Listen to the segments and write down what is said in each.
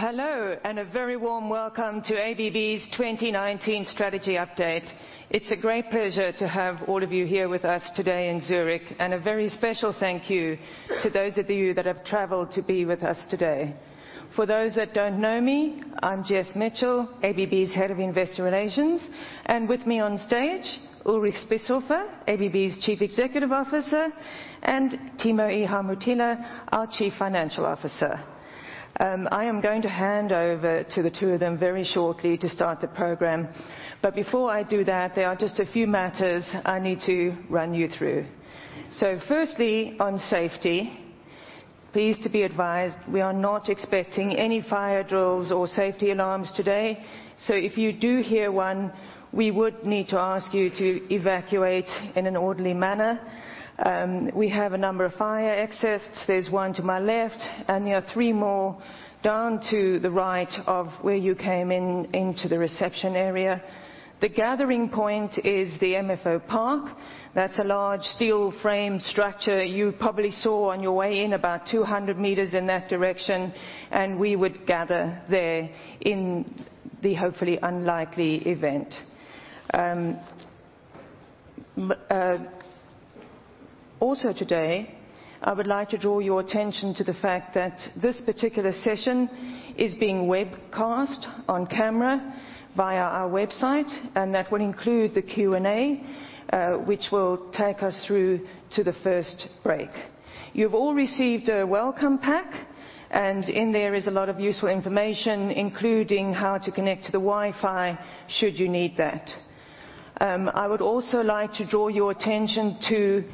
Hello, a very warm welcome to ABB's 2019 strategy update. It's a great pleasure to have all of you here with us today in Zurich, a very special thank you to those of you that have traveled to be with us today. For those that don't know me, I'm Jess Mitchell, ABB's Head of Investor Relations. With me on stage, Uli Spiesshofer, ABB's Chief Executive Officer, and Timo Ihamuotila, our Chief Financial Officer. I am going to hand over to the two of them very shortly to start the program. Before I do that, there are just a few matters I need to run you through. Firstly, on safety, please to be advised, we are not expecting any fire drills or safety alarms today. If you do hear one, we would need to ask you to evacuate in an orderly manner. We have a number of fire exits. There's one to my left, and there are three more down to the right of where you came in into the reception area. The gathering point is the MFO Park. That's a large steel-frame structure you probably saw on your way in about 200 meters in that direction. We would gather there in the hopefully unlikely event. Also today, I would like to draw your attention to the fact that this particular session is being webcast on camera via our website. That will include the Q&A, which will take us through to the first break. You've all received a welcome pack. In there is a lot of useful information, including how to connect to the Wi-Fi, should you need that. I would also like to draw your attention to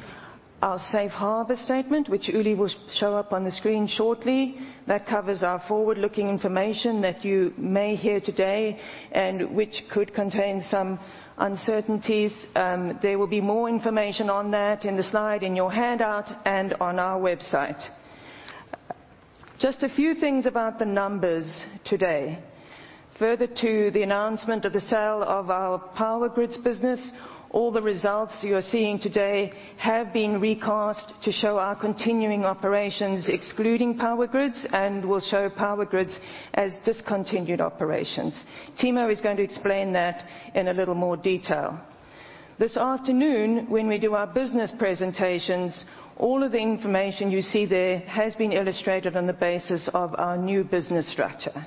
our safe harbor statement, which Uli will show up on the screen shortly. That covers our forward-looking information that you may hear today and which could contain some uncertainties. There will be more information on that in the slide, in your handout, and on our website. Just a few things about the numbers today. Further to the announcement of the sale of our Power Grids business, all the results you are seeing today have been recast to show our continuing operations excluding Power Grids and will show Power Grids as discontinued operations. Timo is going to explain that in a little more detail. This afternoon, when we do our business presentations, all of the information you see there has been illustrated on the basis of our new business structure.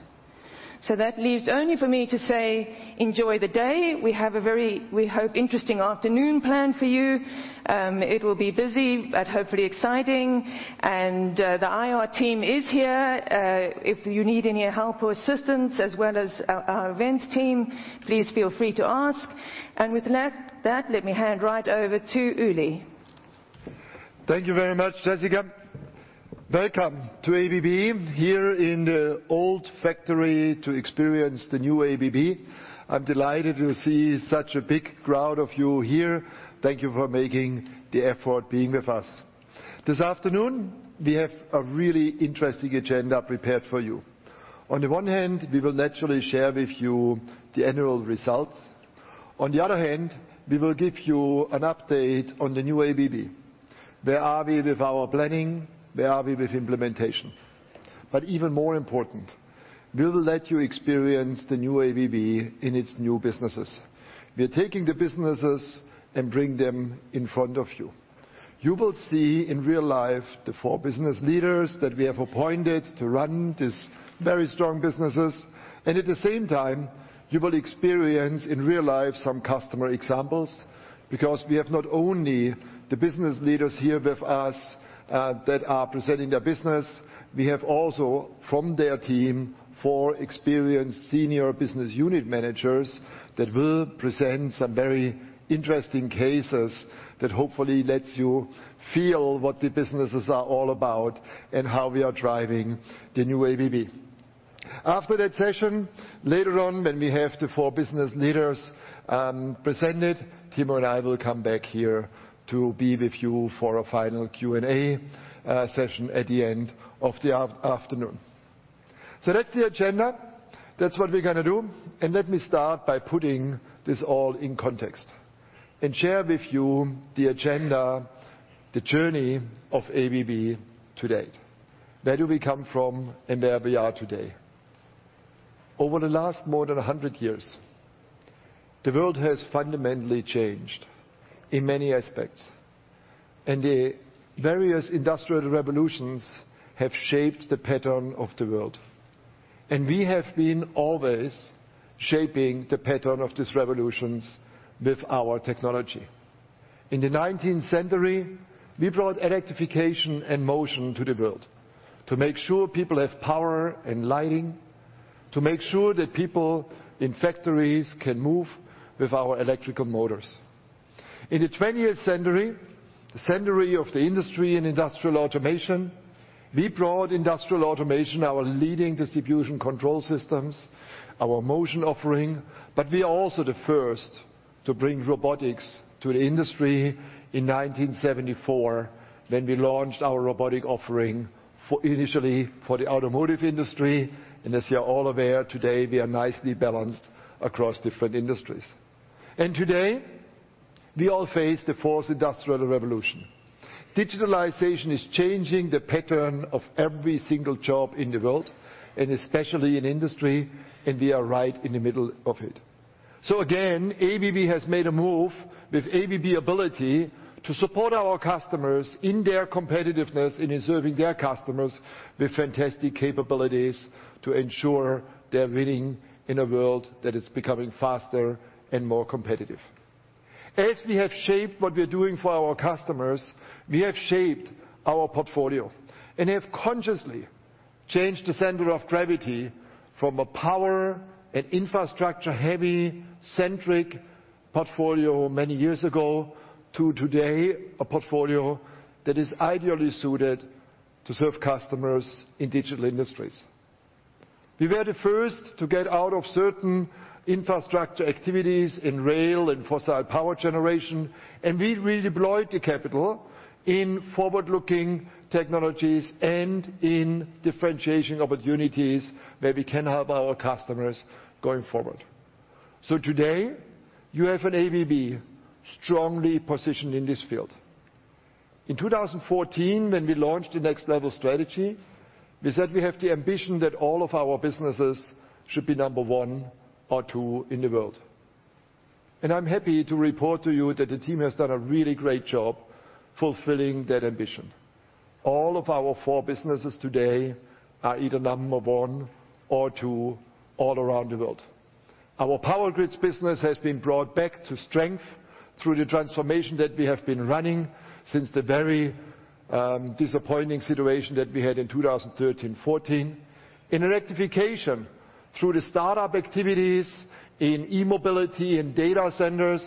That leaves only for me to say, enjoy the day. We have a very, we hope, interesting afternoon planned for you. It will be busy, but hopefully exciting. The IR team is here. If you need any help or assistance, as well as our events team, please feel free to ask. With that, let me hand right over to Uli. Thank you very much, Jessica. Welcome to ABB, here in the old factory to experience the new ABB. I'm delighted to see such a big crowd of you here. Thank you for making the effort being with us. This afternoon, we have a really interesting agenda prepared for you. On the one hand, we will naturally share with you the annual results. On the other hand, we will give you an update on the new ABB. Where are we with our planning? Where are we with implementation? Even more important, we will let you experience the new ABB in its new businesses. We are taking the businesses and bring them in front of you. You will see in real life the four business leaders that we have appointed to run these very strong businesses. At the same time, you will experience, in real life, some customer examples, because we have not only the business leaders here with us that are presenting their business. We have also, from their team, four experienced senior business unit managers that will present some very interesting cases that hopefully lets you feel what the businesses are all about and how we are driving the new ABB. After that session, later on when we have the four business leaders presented, Timo and I will come back here to be with you for a final Q&A session at the end of the afternoon. That's the agenda. That's what we're going to do. Let me start by putting this all in context and share with you the agenda, the journey of ABB to date. Where do we come from and where we are today? Over the last more than 100 years, the world has fundamentally changed in many aspects, the various industrial revolutions have shaped the pattern of the world. We have been always shaping the pattern of these revolutions with our technology. In the 19th century, we brought electrification and motion to the world to make sure people have power and lighting, to make sure that people in factories can move with our electrical motors. In the 20th century, the century of the industry and industrial automation, we brought industrial automation, our leading distribution control systems, our motion offering, but we are also the first to bring robotics to the industry in 1974 when we launched our robotic offering initially for the automotive industry. As you are all aware today, we are nicely balanced across different industries. Today, we all face the fourth industrial revolution. Digitalization is changing the pattern of every single job in the world, and especially in industry, and we are right in the middle of it. Again, ABB has made a move with ABB Ability to support our customers in their competitiveness in serving their customers with fantastic capabilities to ensure they're winning in a world that is becoming faster and more competitive. As we have shaped what we're doing for our customers, we have shaped our portfolio and have consciously changed the center of gravity from a power and infrastructure-heavy centric portfolio many years ago to today, a portfolio that is ideally suited to serve customers in digital industries. We were the first to get out of certain infrastructure activities in rail and fossil power generation, and we redeployed the capital in forward-looking technologies and in differentiation opportunities where we can help our customers going forward. Today, you have an ABB strongly positioned in this field. In 2014, when we launched the Next Level strategy, we said we have the ambition that all of our businesses should be number one or two in the world. I'm happy to report to you that the team has done a really great job fulfilling that ambition. All of our four businesses today are either number one or two all around the world. Our Power Grids business has been brought back to strength through the transformation that we have been running since the very disappointing situation that we had in 2013-2014. In Electrification, through the start-up activities in e-mobility and data centers,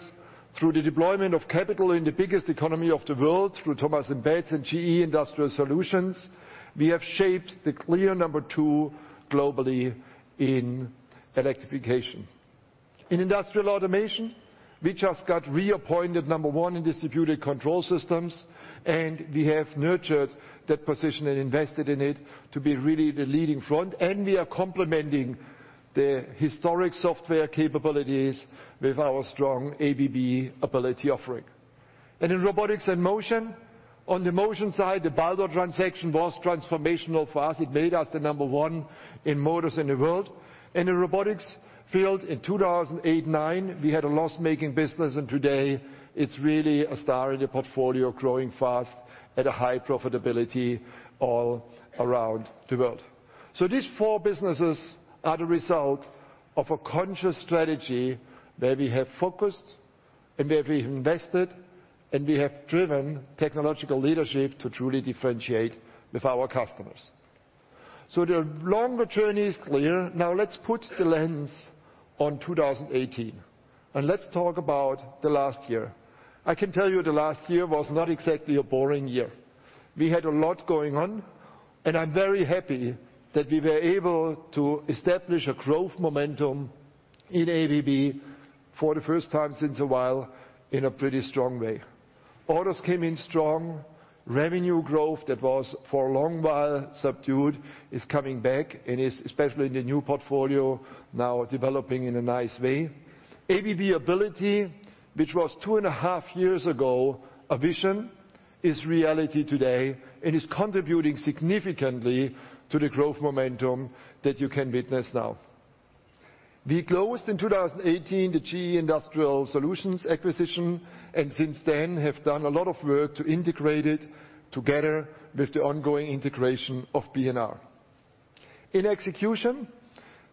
through the deployment of capital in the biggest economy of the world, through Thomas & Betts and GE Industrial Solutions, we have shaped the clear number two globally in Electrification. In Industrial Automation, we just got reappointed number one in distributed control systems, we have nurtured that position and invested in it to be really the leading front, we are complementing the historic software capabilities with our strong ABB Ability offering. In Robotics and Motion, on the motion side, the Baldor transaction was transformational for us. It made us the number one in motors in the world. In robotics field in 2008-2009, we had a loss-making business, today it's really a star in the portfolio, growing fast at a high profitability all around the world. These four businesses are the result of a conscious strategy where we have focused and where we have invested, we have driven technological leadership to truly differentiate with our customers. The longer journey is clear. Now let's put the lens on 2018, let's talk about the last year. I can tell you the last year was not exactly a boring year. We had a lot going on, I'm very happy that we were able to establish a growth momentum in ABB for the first time since a while in a pretty strong way. Orders came in strong. Revenue growth that was for a long while subdued is coming back and is, especially in the new portfolio, now developing in a nice way. ABB Ability, which was two and a half years ago a vision, is reality today and is contributing significantly to the growth momentum that you can witness now. We closed in 2018 the GE Industrial Solutions acquisition, since then, have done a lot of work to integrate it together with the ongoing integration of B&R. In execution,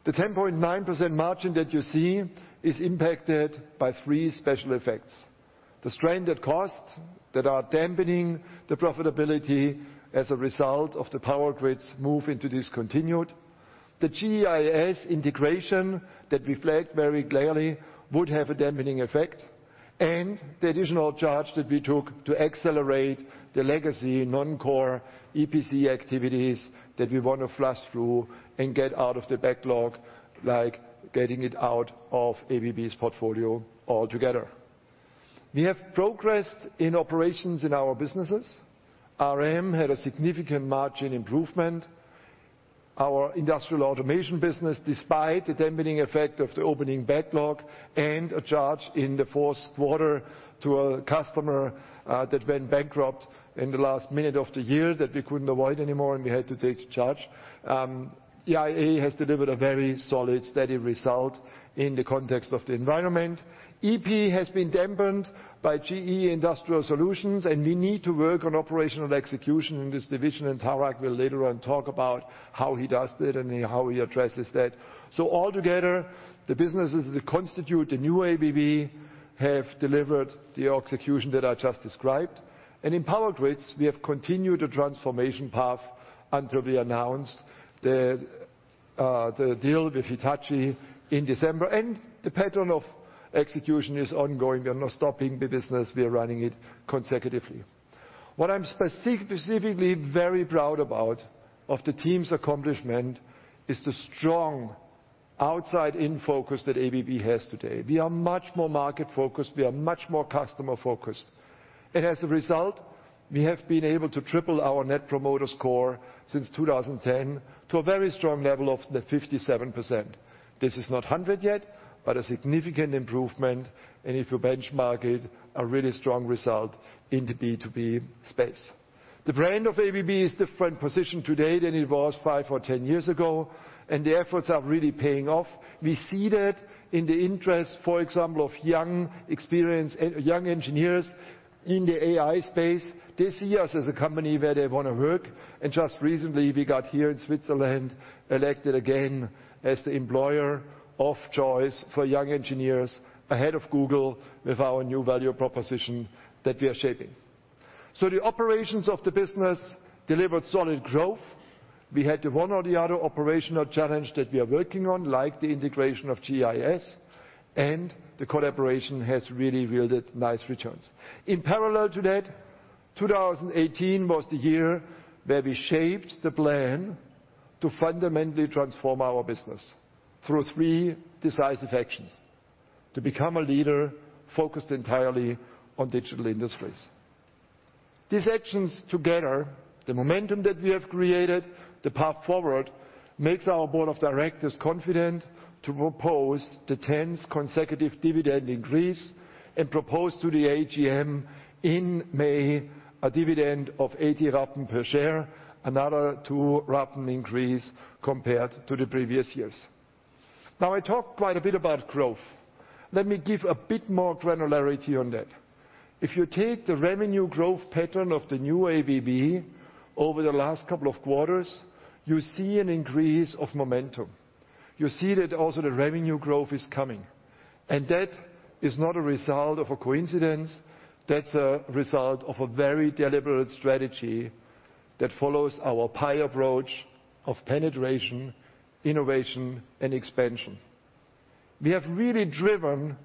the 10.9% margin that you see is impacted by 3 special effects. The stranded costs that are dampening the profitability as a result of the Power Grids move into discontinued. The GEIS integration that we flagged very clearly would have a dampening effect. The additional charge that we took to accelerate the legacy non-core EPC activities that we want to flush through and get out of the backlog, like getting it out of ABB's portfolio altogether. We have progressed in operations in our businesses. RM had a significant margin improvement. Our Industrial Automation business, despite the dampening effect of the opening backlog and a charge in the fourth quarter to a customer that went bankrupt in the last minute of the year that we couldn't avoid anymore, we had to take the charge. IA has delivered a very solid, steady result in the context of the environment. EP has been dampened by GE Industrial Solutions, we need to work on operational execution in this division. Tarak will later on talk about how he does that and how he addresses that. Altogether, the businesses that constitute the new ABB have delivered the execution that I just described. In Power Grids, we have continued the transformation path until we announced the deal with Hitachi in December, the pattern of execution is ongoing. We are not stopping the business. We are running it consecutively. What I'm specifically very proud about of the team's accomplishment is the strong outside-in focus that ABB has today. We are much more market-focused. We are much more customer-focused. As a result, we have been able to triple our Net Promoter Score since 2010 to a very strong level of 57%. This is not 100 yet, but a significant improvement, if you benchmark it, a really strong result in the B2B space. The brand of ABB is different position today than it was 5 or 10 years ago, and the efforts are really paying off. We see that in the interest, for example, of young engineers in the AI space. They see us as a company where they want to work, and just recently we got here in Switzerland elected again as the employer of choice for young engineers ahead of Google with our new value proposition that we are shaping. The operations of the business delivered solid growth. We had one or the other operational challenge that we are working on, like the integration of GEIS, and the collaboration has really yielded nice returns. In parallel to that, 2018 was the year where we shaped the plan to fundamentally transform our business through 3 decisive actions to become a leader focused entirely on digital industries. These actions together, the momentum that we have created, the path forward, makes our board of directors confident to propose the 10th consecutive dividend increase and propose to the AGM in May a dividend of CHF 0.80 per share, another CHF 0.02 increase compared to the previous years. Now, I talked quite a bit about growth. Let me give a bit more granularity on that. If you take the revenue growth pattern of the new ABB over the last couple of quarters, you see an increase of momentum. You see that also the revenue growth is coming, that is not a result of a coincidence. That's a result of a very deliberate strategy that follows our PIE approach of penetration, innovation, and expansion. We have really driven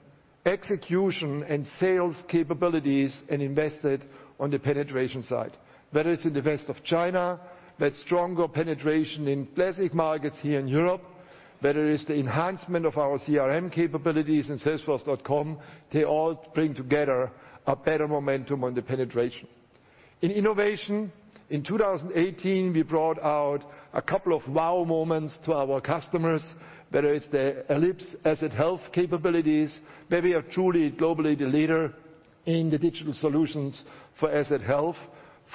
execution and sales capabilities and invested on the penetration side, whether it's in the west of China, that stronger penetration in plastic markets here in Europe, whether it is the enhancement of our CRM capabilities in salesforce.com, they all bring together a better momentum on the penetration. In innovation, in 2018, we brought out a couple of wow moments to our customers, whether it's the Ellipse asset health capabilities, where we are truly globally the leader in the digital solutions for asset health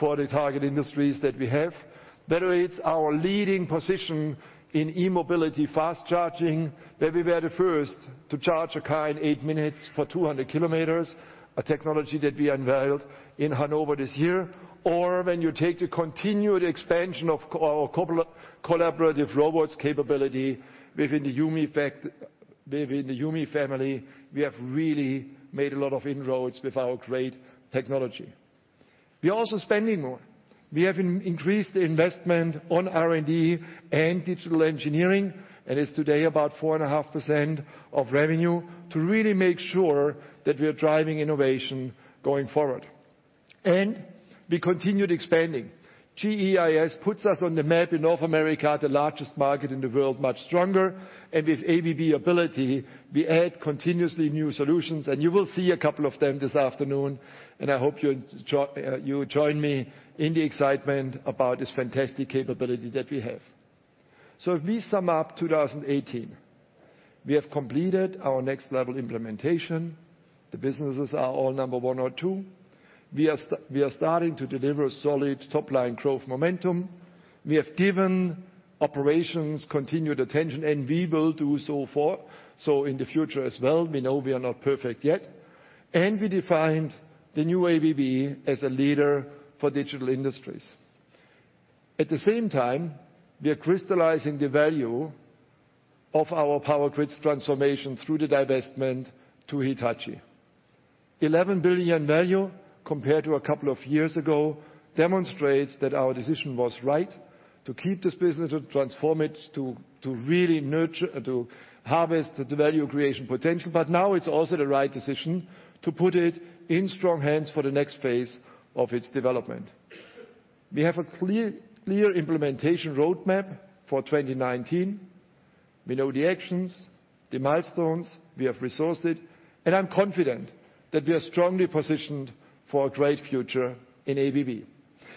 for the target industries that we have. Whether it is our leading position in e-mobility fast charging, where we were the first to charge a car in 8 minutes for 200 km, a technology that we unveiled in Hannover this year, or when you take the continued expansion of our collaborative robots capability within the YuMi family, we have really made a lot of inroads with our great technology. We are also spending more. We have increased the investment on R&D and digital engineering, and it is today about 4.5% of revenue to really make sure that we are driving innovation going forward. We continued expanding. GEIS puts us on the map in North America, the largest market in the world, much stronger. With ABB Ability, we add continuously new solutions, and you will see a couple of them this afternoon, and I hope you join me in the excitement about this fantastic capability that we have. If we sum up 2018, we have completed our Next Level implementation. The businesses are all number one or two. We are starting to deliver solid top-line growth momentum. We have given operations continued attention, and we will do so forth. In the future as well, we know we are not perfect yet. We defined the new ABB as a leader for digital industries. At the same time, we are crystallizing the value of our Power Grids transformation through the divestment to Hitachi. $11 billion value compared to a couple of years ago demonstrates that our decision was right to keep this business, to transform it, to really nurture, to harvest the value creation potential. Now it is also the right decision to put it in strong hands for the next phase of its development. We have a clear implementation roadmap for 2019. We know the actions, the milestones, we have resourced it, and I am confident that we are strongly positioned for a great future in ABB.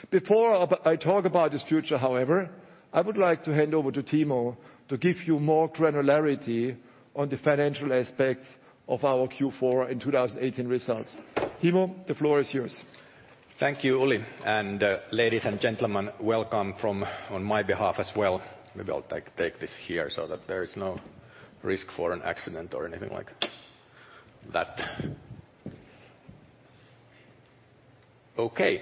Before I talk about this future, however, I would like to hand over to Timo to give you more granularity on the financial aspects of our Q4 and 2018 results. Timo, the floor is yours. Thank you, Uli. Ladies and gentlemen, welcome on my behalf as well. Maybe I will take this here so that there is no risk for an accident or anything like that. Okay.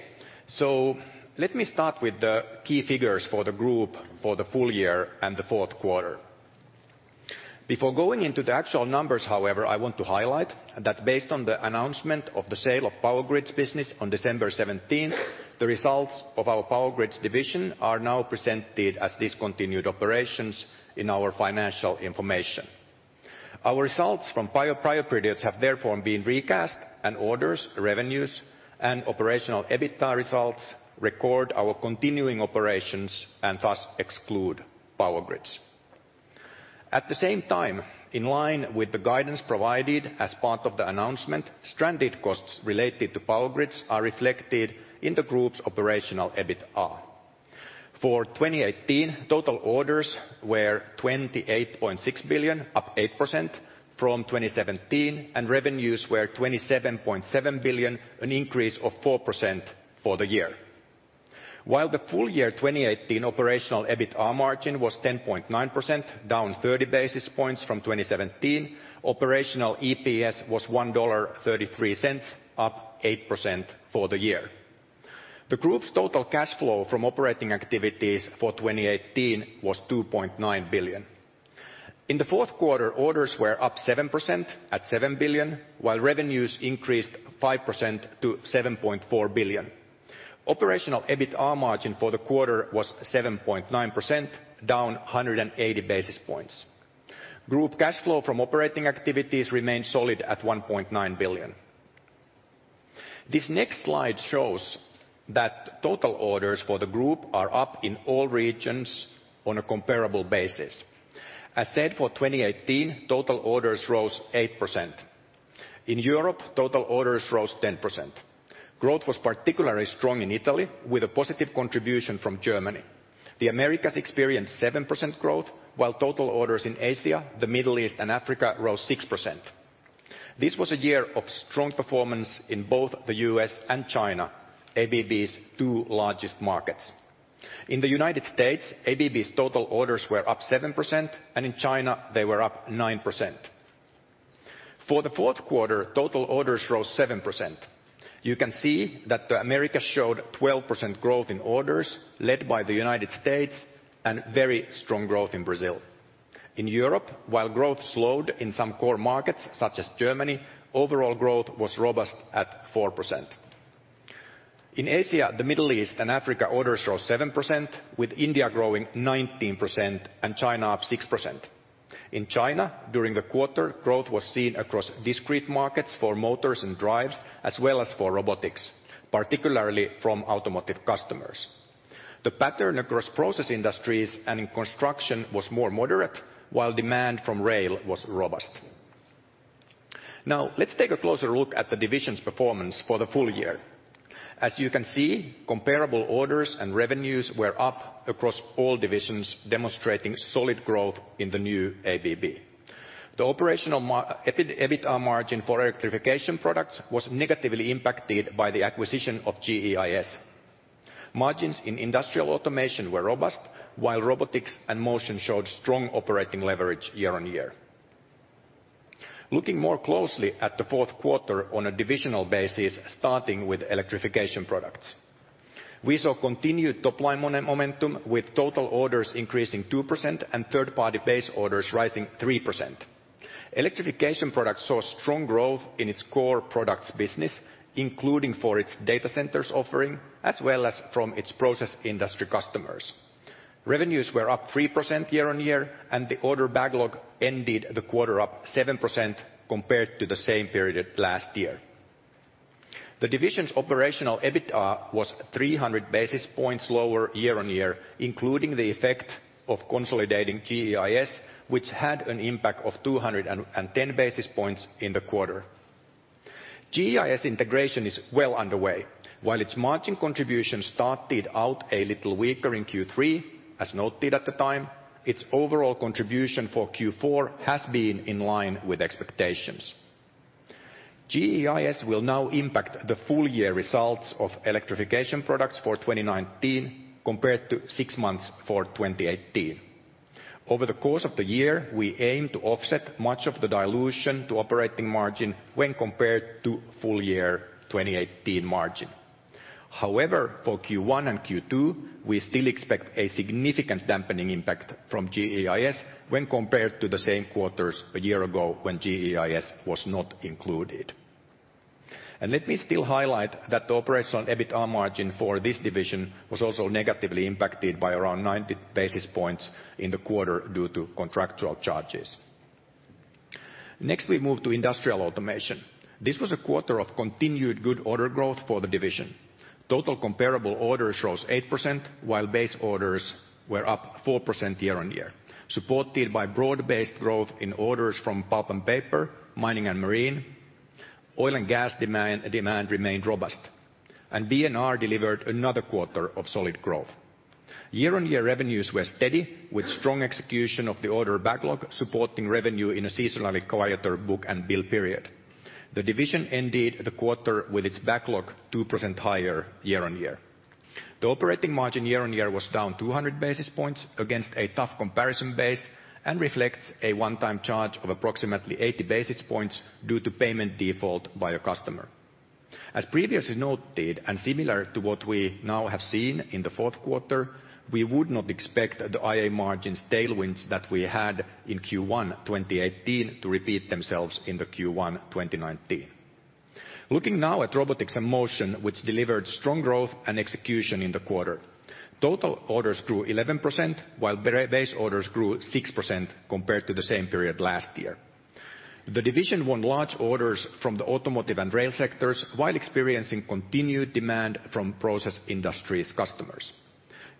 Let me start with the key figures for the group for the full year and the fourth quarter. Before going into the actual numbers, however, I want to highlight that based on the announcement of the sale of Power Grids business on December 17th, the results of our Power Grids division are now presented as discontinued operations in our financial information. Our results from prior periods have therefore been recast. Orders, revenues, and operational EBITDA results record our continuing operations and thus exclude Power Grids. At the same time, in line with the guidance provided as part of the announcement, stranded costs related to Power Grids are reflected in the group's Operational EBITA. For 2018, total orders were 28.6 billion, up 8% from 2017, and revenues were 27.7 billion, an increase of 4% for the year. While the full year 2018 Operational EBITA margin was 10.9%, down 30 basis points from 2017, operational EPS was $1.33, up 8% for the year. The group's total cash flow from operating activities for 2018 was 2.9 billion. In the fourth quarter, orders were up 7% at 7 billion, while revenues increased 5% to 7.4 billion. Operational EBITA margin for the quarter was 7.9%, down 180 basis points. Group cash flow from operating activities remained solid at 1.9 billion. This next slide shows that total orders for the group are up in all regions on a comparable basis. As said, for 2018, total orders rose 8%. In Europe, total orders rose 10%. Growth was particularly strong in Italy with a positive contribution from Germany. The Americas experienced 7% growth, while total orders in Asia, the Middle East, and Africa rose 6%. This was a year of strong performance in both the U.S. and China, ABB's two largest markets. In the United States, ABB's total orders were up 7%, and in China they were up 9%. For the fourth quarter, total orders rose 7%. You can see that the Americas showed 12% growth in orders, led by the United States and very strong growth in Brazil. In Europe, while growth slowed in some core markets such as Germany, overall growth was robust at 4%. In Asia, the Middle East, and Africa, orders rose 7%, with India growing 19% and China up 6%. In China, during the quarter, growth was seen across discrete markets for motors and drives, as well as for robotics, particularly from automotive customers. The pattern across process industries and in construction was more moderate, while demand from rail was robust. Let's take a closer look at the division's performance for the full year. As you can see, comparable orders and revenues were up across all divisions, demonstrating solid growth in the new ABB. The Operational EBITA margin for Electrification Products was negatively impacted by the acquisition of GEIS. Margins in Industrial Automation were robust, while Robotics and Motion showed strong operating leverage year-on-year. Looking more closely at the fourth quarter on a divisional basis, starting with Electrification Products. We saw continued top-line momentum, with total orders increasing 2% and third-party base orders rising 3%. Electrification Products saw strong growth in its core products business, including for its data centers offering, as well as from its process industry customers. Revenues were up 3% year-on-year, and the order backlog ended the quarter up 7% compared to the same period last year. The division's Operational EBITA was 300 basis points lower year-on-year, including the effect of consolidating GEIS, which had an impact of 210 basis points in the quarter. GEIS integration is well underway. Its margin contribution started out a little weaker in Q3, as noted at the time, its overall contribution for Q4 has been in line with expectations. GEIS will now impact the full year results of Electrification Products for 2019 compared to six months for 2018. Over the course of the year, we aim to offset much of the dilution to operating margin when compared to full year 2018 margin. However, for Q1 and Q2, we still expect a significant dampening impact from GEIS when compared to the same quarters a year ago when GEIS was not included. Let me still highlight that the Operational EBITA margin for this division was also negatively impacted by around 90 basis points in the quarter due to contractual charges. Next, we move to Industrial Automation. This was a quarter of continued good order growth for the division. Total comparable orders rose 8%, while base orders were up 4% year-on-year, supported by broad-based growth in orders from pulp and paper, mining and marine. Oil and gas demand remained robust, and B&R delivered another quarter of solid growth. Year-on-year revenues were steady, with strong execution of the order backlog supporting revenue in a seasonally quieter book and bill period. The division ended the quarter with its backlog 2% higher year-on-year. The operating margin year-on-year was down 200 basis points against a tough comparison base and reflects a one-time charge of approximately 80 basis points due to payment default by a customer. As previously noted, similar to what we now have seen in the fourth quarter, we would not expect the IA margins tailwinds that we had in Q1 2018 to repeat themselves into Q1 2019. Looking now at Robotics and Motion, which delivered strong growth and execution in the quarter. Total orders grew 11%, while base orders grew 6% compared to the same period last year. The division won large orders from the automotive and rail sectors while experiencing continued demand from process industries customers.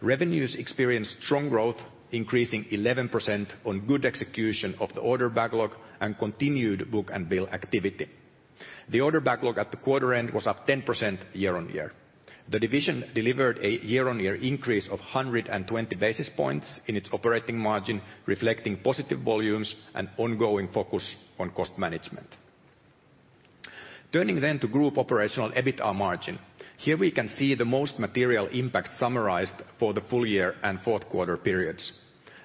Revenues experienced strong growth, increasing 11% on good execution of the order backlog and continued book and bill activity. The order backlog at the quarter end was up 10% year-on-year. The division delivered a year-on-year increase of 120 basis points in its operating margin, reflecting positive volumes and ongoing focus on cost management. Turning to group Operational EBITA margin. Here we can see the most material impact summarized for the full year and fourth quarter periods.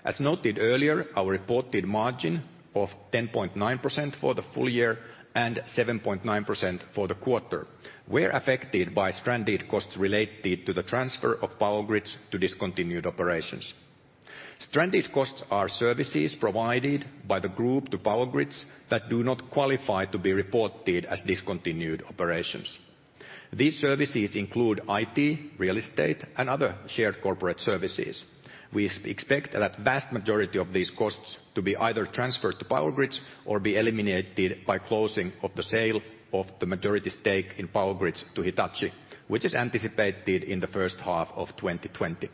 As noted earlier, our reported margin of 10.9% for the full year and 7.9% for the quarter were affected by stranded costs related to the transfer of Power Grids to discontinued operations. Stranded costs are services provided by the group to Power Grids that do not qualify to be reported as discontinued operations. These services include IT, real estate, and other shared corporate services. We expect that vast majority of these costs to be either transferred to Power Grids or be eliminated by closing of the sale of the majority stake in Power Grids to Hitachi, which is anticipated in the first half of 2020.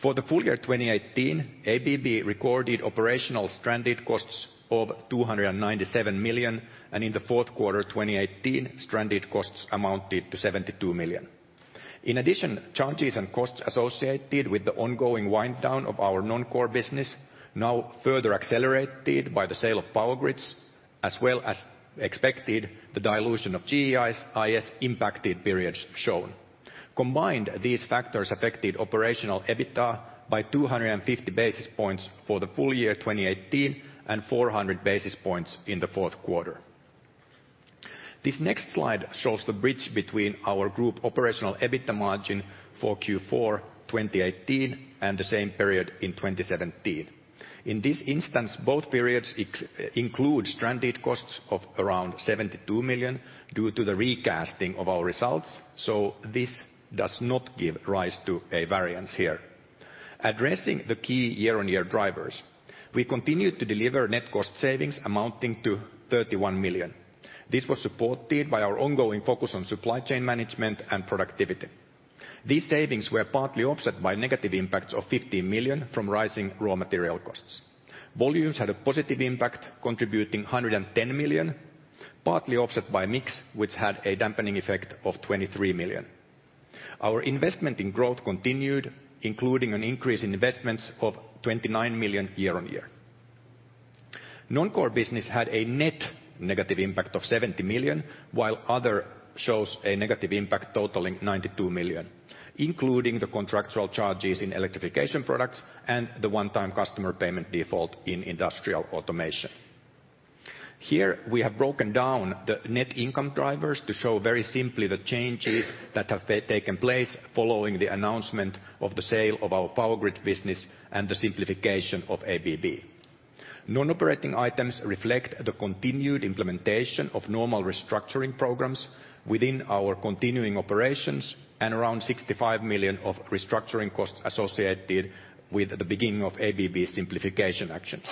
For the full year 2018, ABB recorded operational stranded costs of 297 million, and in the fourth quarter 2018, stranded costs amounted to 72 million. In addition, charges and costs associated with the ongoing wind down of our non-core business, now further accelerated by the sale of Power Grids, as well as expected, the dilution of GEIS impacted periods shown. Combined, these factors affected Operational EBITA by 250 basis points for the full year 2018 and 400 basis points in the fourth quarter. This next slide shows the bridge between our group Operational EBITA margin for Q4 2018 and the same period in 2017. In this instance, both periods include stranded costs of around 72 million due to the recasting of our results, so this does not give rise to a variance here. Addressing the key year-over-year drivers, we continued to deliver net cost savings amounting to 31 million. This was supported by our ongoing focus on supply chain management and productivity. These savings were partly offset by negative impacts of 15 million from rising raw material costs. Volumes had a positive impact, contributing 110 million, partly offset by mix, which had a dampening effect of 23 million. Our investment in growth continued, including an increase in investments of 29 million year-over-year. Non-core business had a net negative impact of 70 million, while other shows a negative impact totaling 92 million, including the contractual charges in Electrification Products and the one-time customer payment default in Industrial Automation. Here we have broken down the net income drivers to show very simply the changes that have taken place following the announcement of the sale of our Power Grids business and the simplification of ABB. Non-operating items reflect the continued implementation of normal restructuring programs within our continuing operations and around 65 million of restructuring costs associated with the beginning of ABB's simplification actions.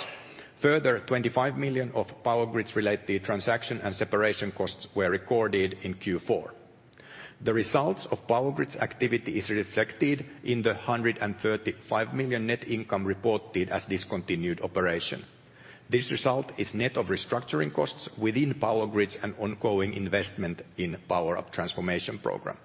Further, 25 million of Power Grids-related transaction and separation costs were recorded in Q4. The results of Power Grids' activity is reflected in the 135 million net income reported as discontinued operation. This result is net of restructuring costs within Power Grids and ongoing investment in Power Up transformation program.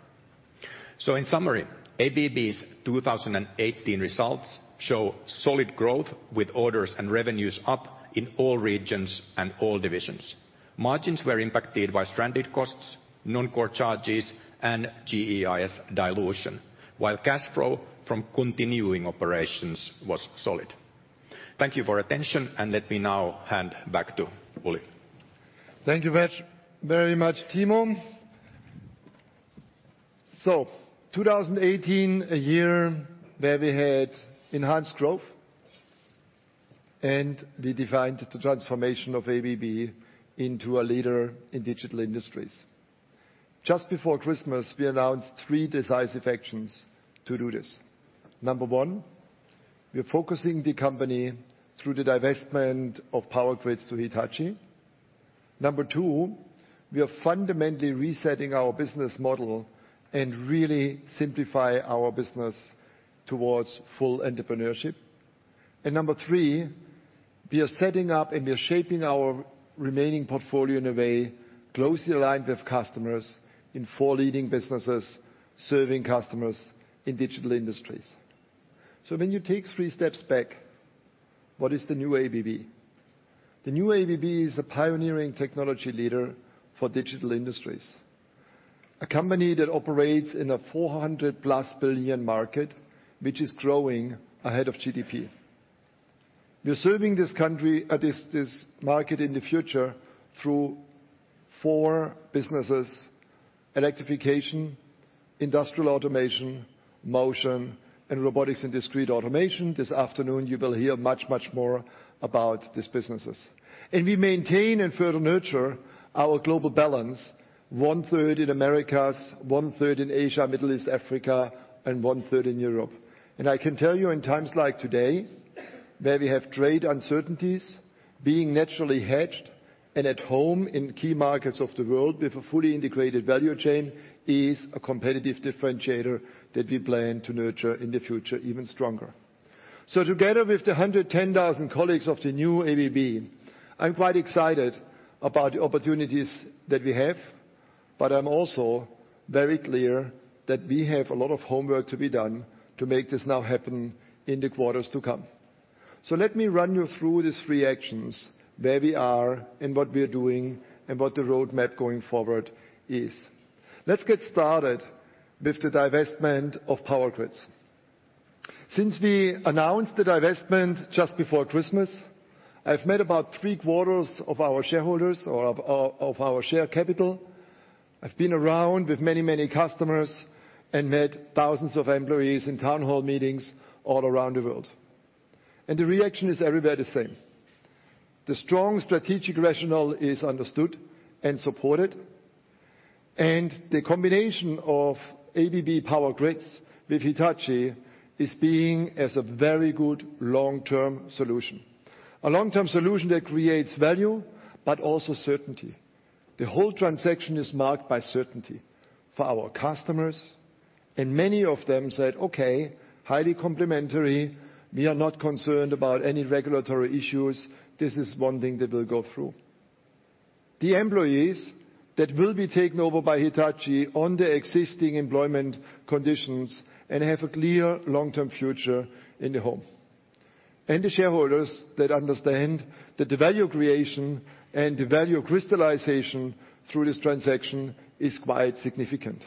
In summary, ABB's 2018 results show solid growth with orders and revenues up in all regions and all divisions. Margins were impacted by stranded costs, non-core charges, and GEIS dilution. While cash flow from continuing operations was solid. Thank you for attention, and let me now hand back to Uli. Thank you very much, Timo. 2018, a year where we had enhanced growth and we defined the transformation of ABB into a leader in digital industries. Just before Christmas, we announced three decisive actions to do this. Number one, we're focusing the company through the divestment of Power Grids to Hitachi. Number two, we are fundamentally resetting our business model and really simplify our business towards full entrepreneurship. Number three, we are setting up and we are shaping our remaining portfolio in a way closely aligned with customers in four leading businesses, serving customers in digital industries. When you take three steps back, what is the new ABB? The new ABB is a pioneering technology leader for digital industries. A company that operates in a 400+ billion market, which is growing ahead of GDP. We're serving this country at this market in the future through four businesses, Electrification, Industrial Automation, Robotics and Discrete Automation. This afternoon you will hear much, much more about these businesses. We maintain and further nurture our global balance, one-third in Americas, one-third in Asia, Middle East, Africa, and one-third in Europe. I can tell you, in times like today, where we have trade uncertainties, being naturally hedged and at home in key markets of the world with a fully integrated value chain is a competitive differentiator that we plan to nurture in the future even stronger. Together with the 110,000 colleagues of the new ABB, I'm quite excited about the opportunities that we have, but I'm also very clear that we have a lot of homework to be done to make this now happen in the quarters to come. Let me run you through these three actions, where we are, and what we are doing, and what the roadmap going forward is. Let's get started with the divestment of Power Grids. Since we announced the divestment just before Christmas, I've met about three quarters of our shareholders or of our share capital. I've been around with many, many customers and met thousands of employees in town hall meetings all around the world. The reaction is everywhere the same. The strong strategic rationale is understood and supported, and the combination of ABB Power Grids with Hitachi is being as a very good long-term solution. A long-term solution that creates value, but also certainty. The whole transaction is marked by certainty for our customers, and many of them said, "Okay, highly complementary. We are not concerned about any regulatory issues. This is one thing that will go through." The employees that will be taken over by Hitachi on their existing employment conditions and have a clear long-term future in the home. The shareholders that understand that the value creation and the value crystallization through this transaction is quite significant.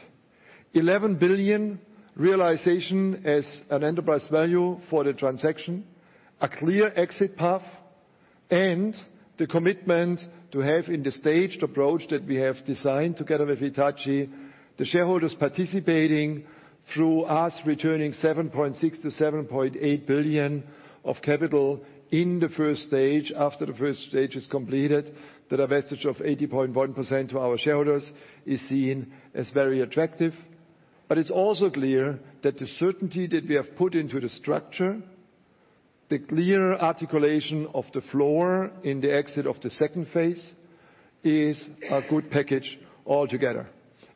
11 billion realization as an enterprise value for the transaction, a clear exit path, and the commitment to have in the staged approach that we have designed together with Hitachi, the shareholders participating through us returning 7.6 billion-7.8 billion of capital in the first stage. After the first stage is completed, the divestiture of 80.1% to our shareholders is seen as very attractive. It's also clear that the certainty that we have put into the structure, the clear articulation of the floor in the exit of the second phase, is a good package altogether.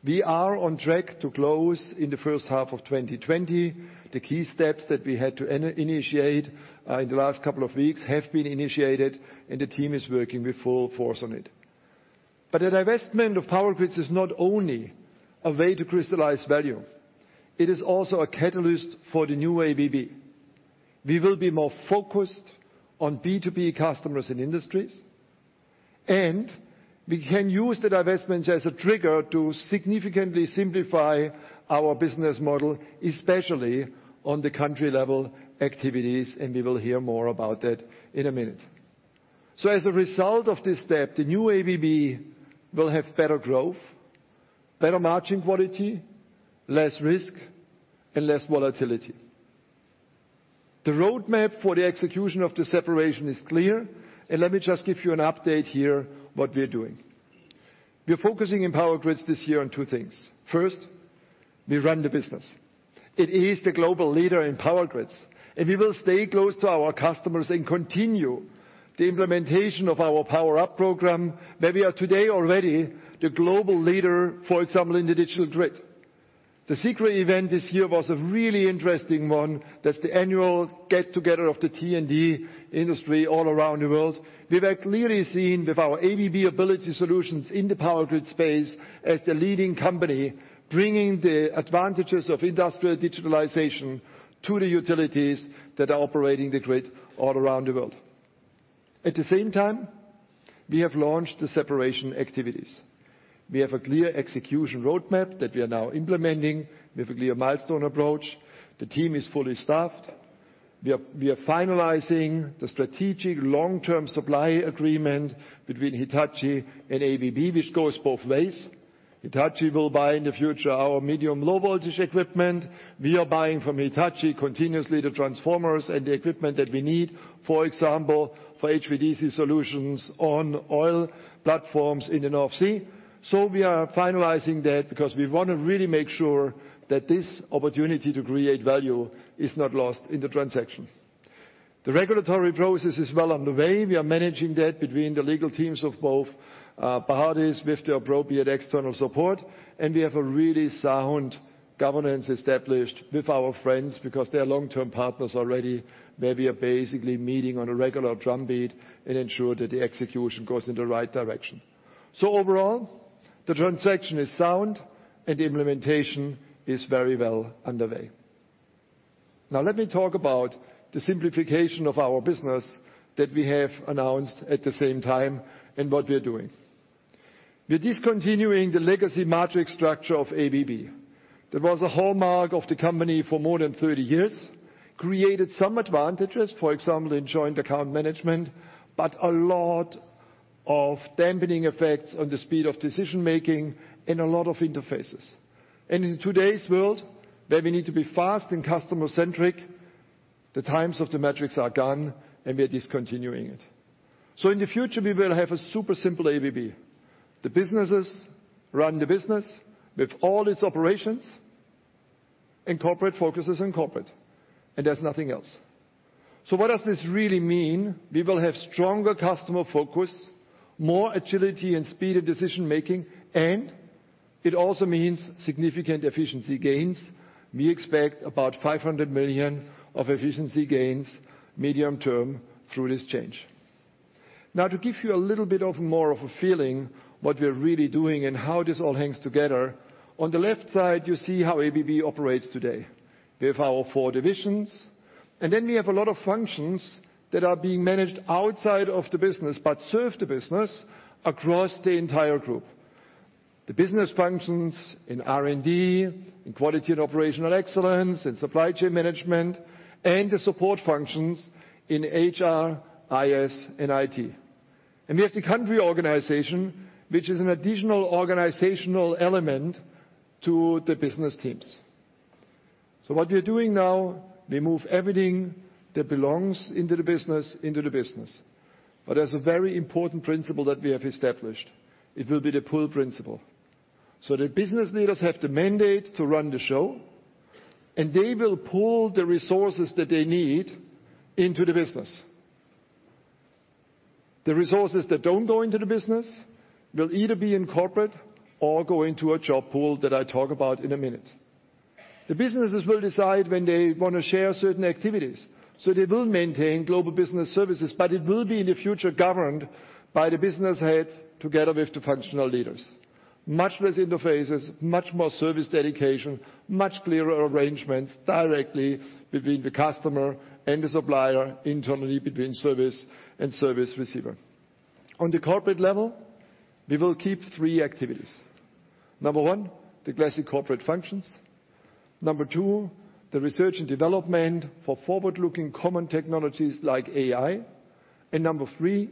We are on track to close in the first half of 2020. The key steps that we had to initiate in the last couple of weeks have been initiated, and the team is working with full force on it. The divestment of Power Grids is not only a way to crystallize value. It is also a catalyst for the new ABB. We will be more focused on B2B customers and industries, and we can use the divestment as a trigger to significantly simplify our business model, especially on the country-level activities, and we will hear more about that in a minute. As a result of this step, the new ABB will have better growth, better margin quality, less risk, and less volatility. The roadmap for the execution of the separation is clear, and let me just give you an update here what we're doing. We are focusing in Power Grids this year on two things. First, we run the business. It is the global leader in Power Grids, and we will stay close to our customers and continue the implementation of our Power Up program, where we are today already the global leader, for example, in the digital grid. The CIGRE event this year was a really interesting one. That's the annual get-together of the T&D industry all around the world. We were clearly seen with our ABB Ability solutions in the power grid space as the leading company, bringing the advantages of industrial digitalization to the utilities that are operating the grid all around the world. At the same time, we have launched the separation activities. We have a clear execution roadmap that we are now implementing with a clear milestone approach. The team is fully staffed. We are finalizing the strategic long-term supply agreement between Hitachi and ABB, which goes both ways. Hitachi will buy in the future our medium low voltage equipment. We are buying from Hitachi continuously the transformers and the equipment that we need, for example, for HVDC solutions on oil platforms in the North Sea. We are finalizing that because we want to really make sure that this opportunity to create value is not lost in the transaction. The regulatory process is well on the way. We are managing that between the legal teams of both parties with the appropriate external support, and we have a really sound governance established with our friends because they are long-term partners already, where we are basically meeting on a regular drumbeat and ensure that the execution goes in the right direction. Overall, the transaction is sound and implementation is very well underway. Now let me talk about the simplification of our business that we have announced at the same time and what we are doing. We're discontinuing the legacy matrix structure of ABB. That was a hallmark of the company for more than 30 years, created some advantages, for example, in joint account management, but a lot of dampening effects on the speed of decision-making in a lot of interfaces. In today's world, where we need to be fast and customer-centric, the times of the metrics are gone, and we are discontinuing it. In the future, we will have a super simple ABB. The businesses run the business with all its operations, and corporate focuses on corporate, and there's nothing else. What does this really mean? We will have stronger customer focus, more agility and speed of decision-making, and It also means significant efficiency gains. We expect about 500 million of efficiency gains medium term through this change. Now, to give you a little bit of more of a feeling what we're really doing and how this all hangs together, on the left side, you see how ABB operates today. We have our four divisions, and then we have a lot of functions that are being managed outside of the business, but serve the business across the entire group. The business functions in R&D, in quality and operational excellence, in supply chain management, and the support functions in HR, IS, and IT. We have the country organization, which is an additional organizational element to the business teams. What we are doing now, we move everything that belongs into the business into the business. There's a very important principle that we have established. It will be the pull principle. The business leaders have the mandate to run the show, and they will pull the resources that they need into the business. The resources that don't go into the business will either be in corporate or go into a job pool that I talk about in a minute. The businesses will decide when they want to share certain activities, so they will maintain Global Business Services, but it will be in the future governed by the business heads together with the functional leaders. Much less interfaces, much more service dedication, much clearer arrangements directly between the customer and the supplier internally between service and service receiver. On the corporate level, we will keep three activities. Number one, the classic corporate functions. Number two, the research and development for forward-looking common technologies like AI. Number three,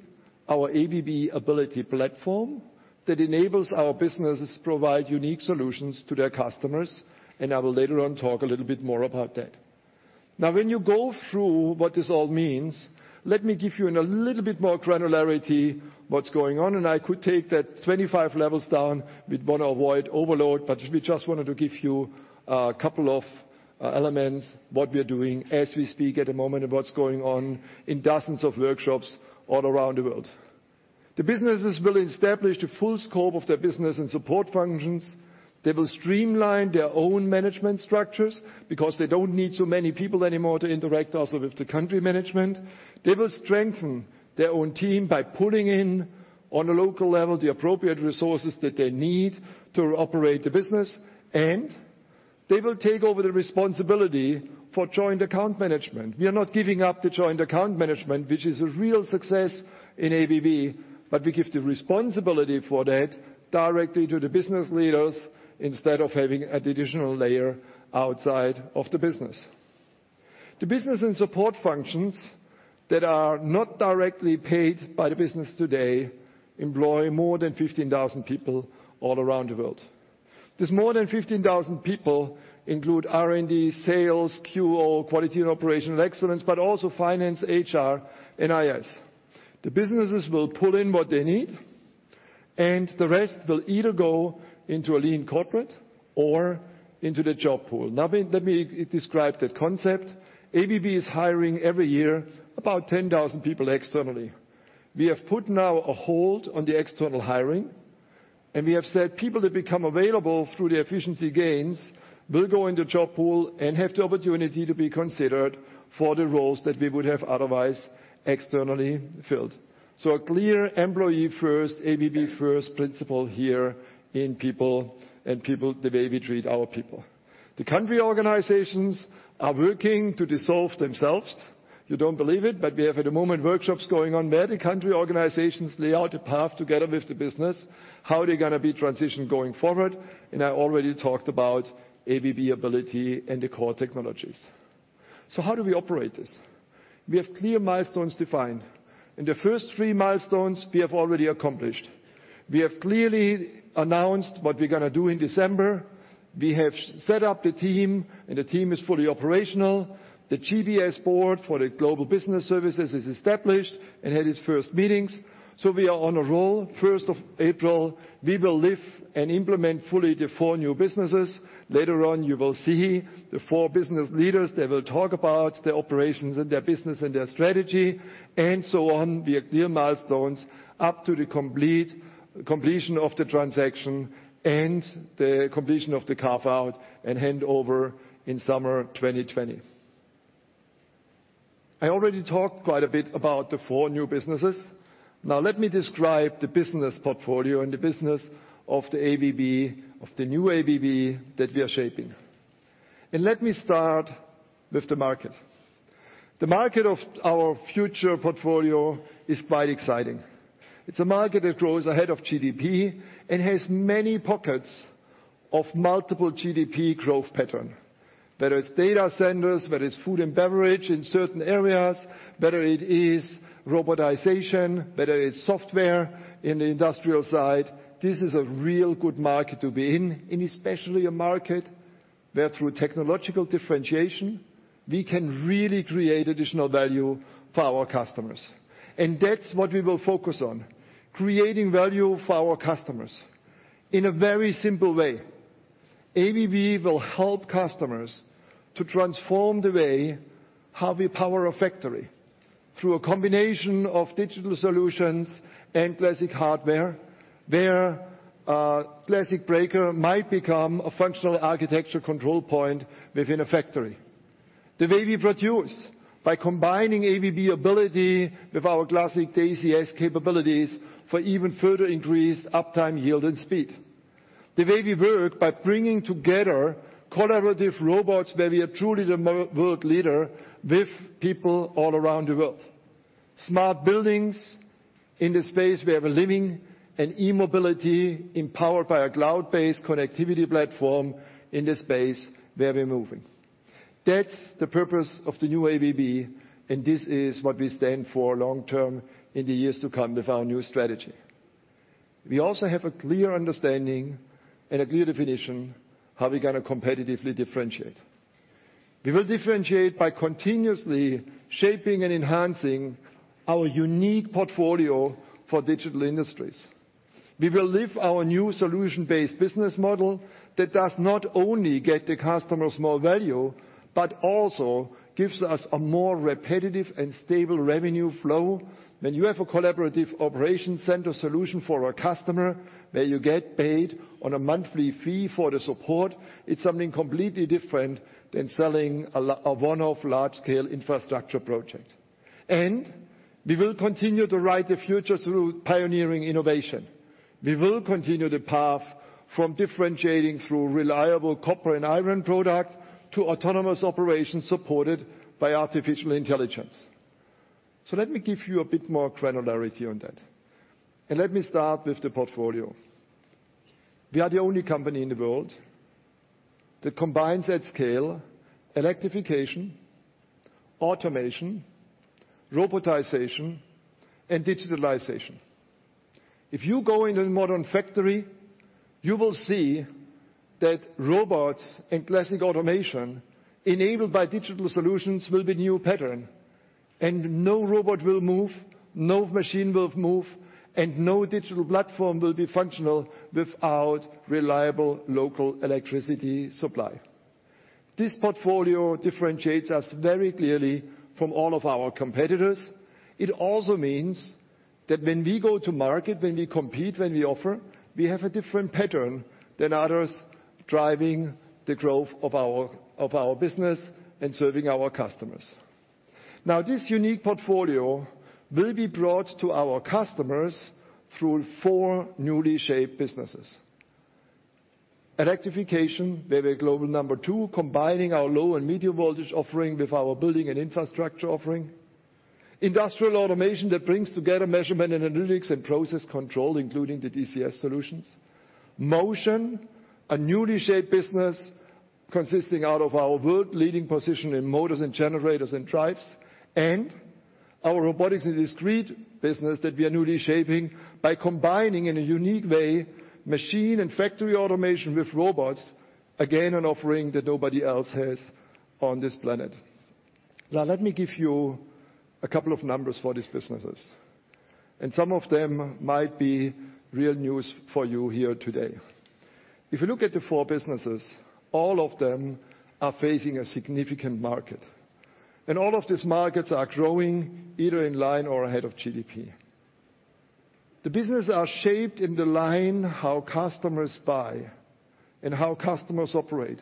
our ABB Ability platform that enables our businesses provide unique solutions to their customers, and I will later on talk a little bit more about that. When you go through what this all means, let me give you in a little bit more granularity what's going on, and I could take that 25 levels down. We'd want to avoid overload, but we just wanted to give you a couple of elements, what we are doing as we speak at the moment, and what's going on in dozens of workshops all around the world. The businesses will establish the full scope of their business and support functions. They will streamline their own management structures because they don't need so many people anymore to interact also with the country management. They will strengthen their own team by pulling in, on a local level, the appropriate resources that they need to operate the business, and they will take over the responsibility for joint account management. We are not giving up the joint account management, which is a real success in ABB, but we give the responsibility for that directly to the business leaders instead of having an additional layer outside of the business. The business and support functions that are not directly paid by the business today employ more than 15,000 people all around the world. These more than 15,000 people include R&D, sales, QO, quality and operational excellence, but also finance, HR, and IS. The businesses will pull in what they need, and the rest will either go into a lean corporate or into the job pool. Let me describe that concept. ABB is hiring every year about 10,000 people externally. We have put now a hold on the external hiring, and we have said people that become available through the efficiency gains will go in the job pool and have the opportunity to be considered for the roles that we would have otherwise externally filled. A clear employee first, ABB first principle here in people and people, the way we treat our people. The country organizations are working to dissolve themselves. You don't believe it, but we have, at the moment, workshops going on where the country organizations lay out a path together with the business, how they're going to be transitioned going forward, and I already talked about ABB Ability and the core technologies. How do we operate this? We have clear milestones defined, and the first three milestones we have already accomplished. We have clearly announced what we're going to do in December. We have set up the team, and the team is fully operational. The GBS board for the global business services is established and had its first meetings. We are on a roll. First of April, we will live and implement fully the four new businesses. Later on, you will see the four business leaders. They will talk about their operations and their business and their strategy, and so on, via clear milestones up to the completion of the transaction and the completion of the carve-out and handover in summer 2020. I already talked quite a bit about the four new businesses. Now let me describe the business portfolio and the business of the ABB, of the new ABB that we are shaping. Let me start with the market. The market of our future portfolio is quite exciting. It's a market that grows ahead of GDP and has many pockets of multiple GDP growth pattern. Whether it's data centers, whether it's food and beverage in certain areas, whether it is robotization, whether it's software in the industrial side, this is a real good market to be in, and especially a market where, through technological differentiation, we can really create additional value for our customers. That's what we will focus on, creating value for our customers in a very simple way. ABB will help customers to transform the way how we power a factory through a combination of digital solutions and classic hardware, where a classic breaker might become a functional architectural control point within a factory. The way we produce, by combining ABB Ability with our classic DCS capabilities for even further increased uptime, yield, and speed. The way we work, by bringing together collaborative robots where we are truly the world leader with people all around the world. Smart buildings in the space where we're living, and e-mobility empowered by a cloud-based connectivity platform in the space where we're moving. That's the purpose of the new ABB, this is what we stand for long-term in the years to come with our new strategy. We also have a clear understanding and a clear definition how we're going to competitively differentiate. We will differentiate by continuously shaping and enhancing our unique portfolio for digital industries. We will live our new solution-based business model that does not only get the customers more value, but also gives us a more repetitive and stable revenue flow. When you have a collaborative operation center solution for a customer, where you get paid on a monthly fee for the support, it's something completely different than selling a one-off large-scale infrastructure project. We will continue to write the future through pioneering innovation. We will continue the path from differentiating through reliable copper and iron product to autonomous operations supported by artificial intelligence. Let me give you a bit more granularity on that, let me start with the portfolio. We are the only company in the world that combines at scale electrification, automation, robotization, and digitalization. If you go into a modern factory, you will see that robots and classic automation enabled by digital solutions will be new pattern, and no robot will move, no machine will move, and no digital platform will be functional without reliable local electricity supply. This portfolio differentiates us very clearly from all of our competitors. It also means that when we go to market, when we compete, when we offer, we have a different pattern than others, driving the growth of our business and serving our customers. This unique portfolio will be brought to our customers through four newly shaped businesses. Electrification, we were global number two, combining our low and medium voltage offering with our building and infrastructure offering. Industrial Automation that brings together measurement, analytics, and process control, including the DCS solutions. Motion, a newly shaped business consisting out of our world-leading position in motors and generators and drives. And our Robotics and Discrete Automation business that we are newly shaping by combining, in a unique way, machine and factory automation with robots. Again, an offering that nobody else has on this planet. Let me give you a couple of numbers for these businesses, and some of them might be real news for you here today. If you look at the four businesses, all of them are facing a significant market, and all of these markets are growing either in line or ahead of GDP. The business are shaped in the line how customers buy and how customers operate.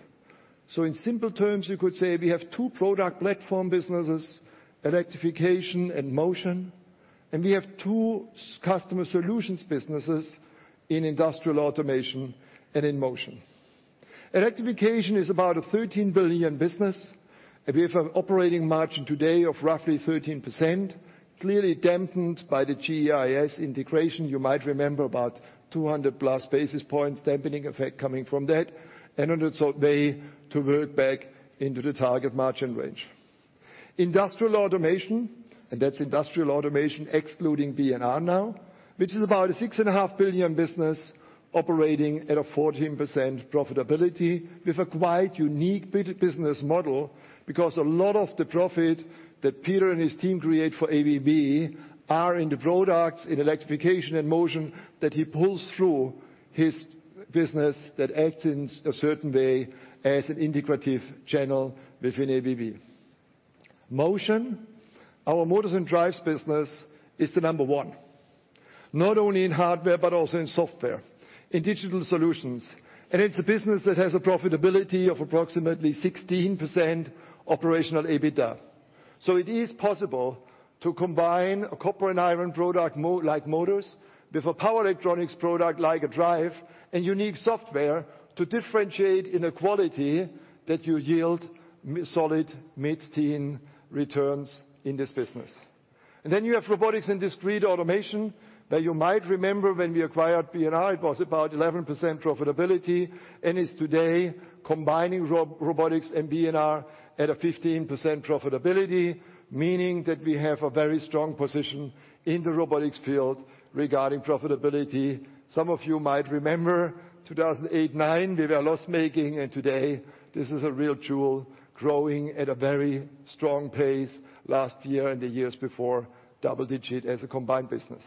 So in simple terms, you could say we have two product platform businesses, Electrification and Motion, and we have two customer solutions businesses in Industrial Automation and in Motion. Electrification is about a 13 billion business, and we have an operating margin today of roughly 13%, clearly dampened by the GEIS integration. You might remember about 200+ basis points dampening effect coming from that, and on its way to work back into the target margin range. Industrial Automation, and that's Industrial Automation excluding B&R now, which is about a 6.5 billion business operating at a 14% profitability with a quite unique business model because a lot of the profit that Peter and his team create for ABB are in the products in Electrification and Motion that he pulls through his business that acts in a certain way as an integrative channel within ABB. Motion, our motors and drives business, is the number one, not only in hardware but also in software, in digital solutions, and it's a business that has a profitability of approximately 16% operational EBITA. So it is possible to combine a copper and iron product like motors with a power electronics product like a drive and unique software to differentiate in a quality that you yield solid mid-teen returns in this business. You have Robotics and Discrete Automation that you might remember when we acquired B&R, it was about 11% profitability and is today combining robotics and B&R at a 15% profitability, meaning that we have a very strong position in the robotics field regarding profitability. Some of you might remember 2008-2009, we were loss-making, and today this is a real jewel growing at a very strong pace last year and the years before, double-digit as a combined business.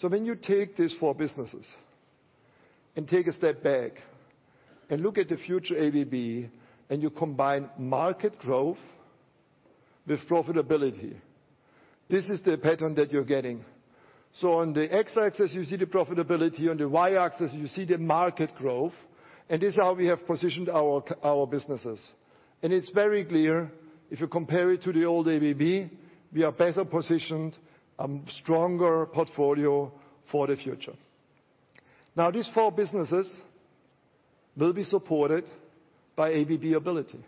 When you take these four businesses and take a step back and look at the future ABB, and you combine market growth with profitability, this is the pattern that you're getting. On the X-axis, you see the profitability, on the Y-axis, you see the market growth. This is how we have positioned our businesses. It's very clear, if you compare it to the old ABB, we are better positioned, a stronger portfolio for the future. These four businesses will be supported by ABB Ability.